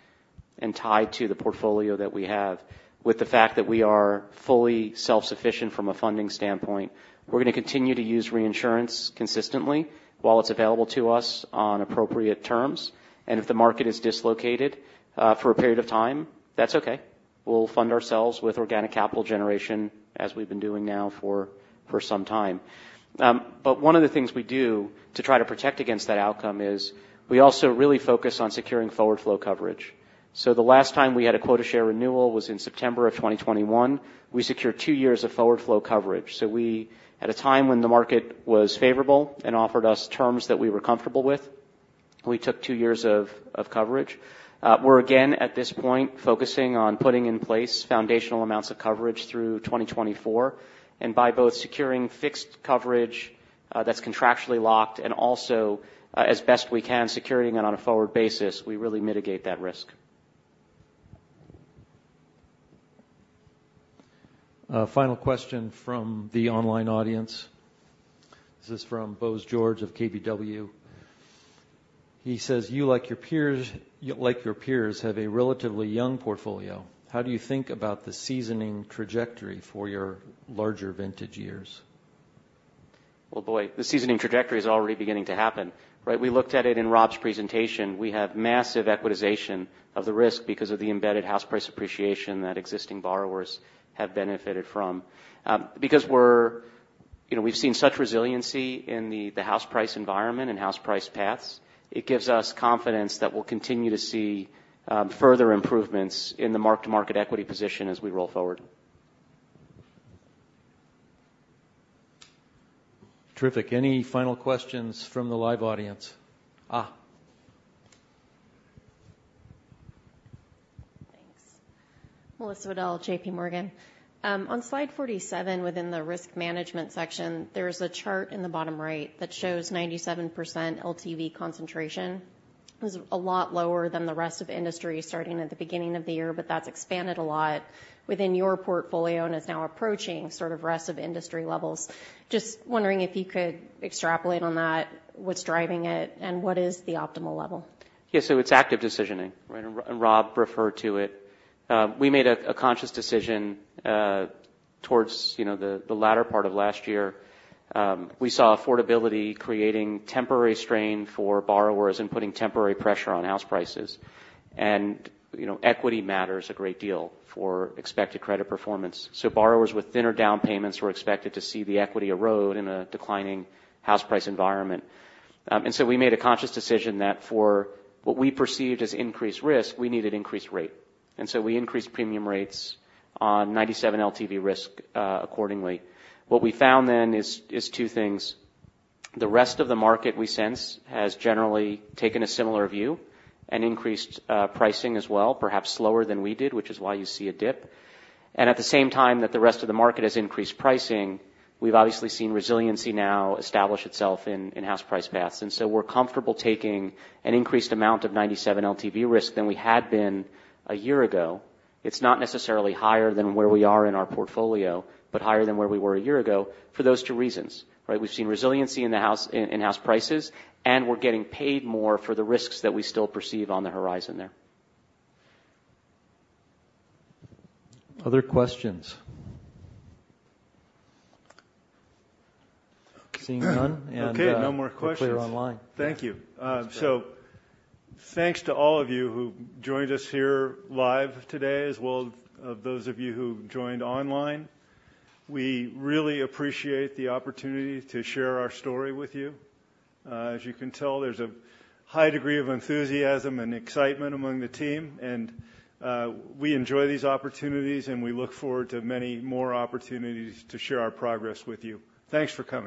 and tied to the portfolio that we have, with the fact that we are fully self-sufficient from a funding standpoint, we're gonna continue to use reinsurance consistently while it's available to us on appropriate terms, and if the market is dislocated for a period of time, that's okay. We'll fund ourselves with organic capital generation, as we've been doing now for some time. But one of the things we do to try to protect against that outcome is we also really focus on securing forward flow coverage. The last time we had a quota share renewal was in September of 2021. We secured two years of forward flow coverage. At a time when the market was favorable and offered us terms that we were comfortable with, we took two years of coverage. We're again, at this point, focusing on putting in place foundational amounts of coverage through 2024, and by both securing fixed coverage that's contractually locked and also, as best we can, securing it on a forward basis, we really mitigate that risk. Final question from the online audience. This is from Bose George of KBW. He says: "You, like your peers, have a relatively young portfolio. How do you think about the seasoning trajectory for your larger vintage years? Well, boy, the seasoning trajectory is already beginning to happen. Right, we looked at it in Rob's presentation. We have massive equitization of the risk because of the embedded house price appreciation that existing borrowers have benefited from. Because we're... You know, we've seen such resiliency in the house price environment and house price paths. It gives us confidence that we'll continue to see further improvements in the mark-to-market equity position as we roll forward. Terrific. Any final questions from the live audience? Thanks. Melissa Wedel, JP Morgan. On slide 47, within the risk management section, there is a chart in the bottom right that shows 97% LTV concentration. It's a lot lower than the rest of industry, starting at the beginning of the year, but that's expanded a lot within your portfolio and is now approaching sort of rest of industry levels. Just wondering if you could extrapolate on that, what's driving it, and what is the optimal level? Yeah, so it's active decisioning, right? And Rob referred to it. We made a conscious decision towards you know the latter part of last year. We saw affordability creating temporary strain for borrowers and putting temporary pressure on house prices. And, you know, equity matters a great deal for expected credit performance. So borrowers with thinner down payments were expected to see the equity erode in a declining house price environment. And so we made a conscious decision that for what we perceived as increased risk, we needed increased rate, and so we increased premium rates on 97 LTV risk accordingly. What we found then is two things: the rest of the market, we sense, has generally taken a similar view and increased pricing as well, perhaps slower than we did, which is why you see a dip. And at the same time that the rest of the market has increased pricing, we've obviously seen resiliency now establish itself in house price paths. And so we're comfortable taking an increased amount of 97 LTV risk than we had been a year ago. It's not necessarily higher than where we are in our portfolio, but higher than where we were a year ago for those two reasons, right? We've seen resiliency in house prices, and we're getting paid more for the risks that we still perceive on the horizon there. Other questions? Seeing none and, Okay, no more questions. We're clear online. Thank you. Yeah. So thanks to all of you who joined us here live today, as well as those of you who joined online. We really appreciate the opportunity to share our story with you. As you can tell, there's a high degree of enthusiasm and excitement among the team, and we enjoy these opportunities, and we look forward to many more opportunities to share our progress with you. Thanks for coming.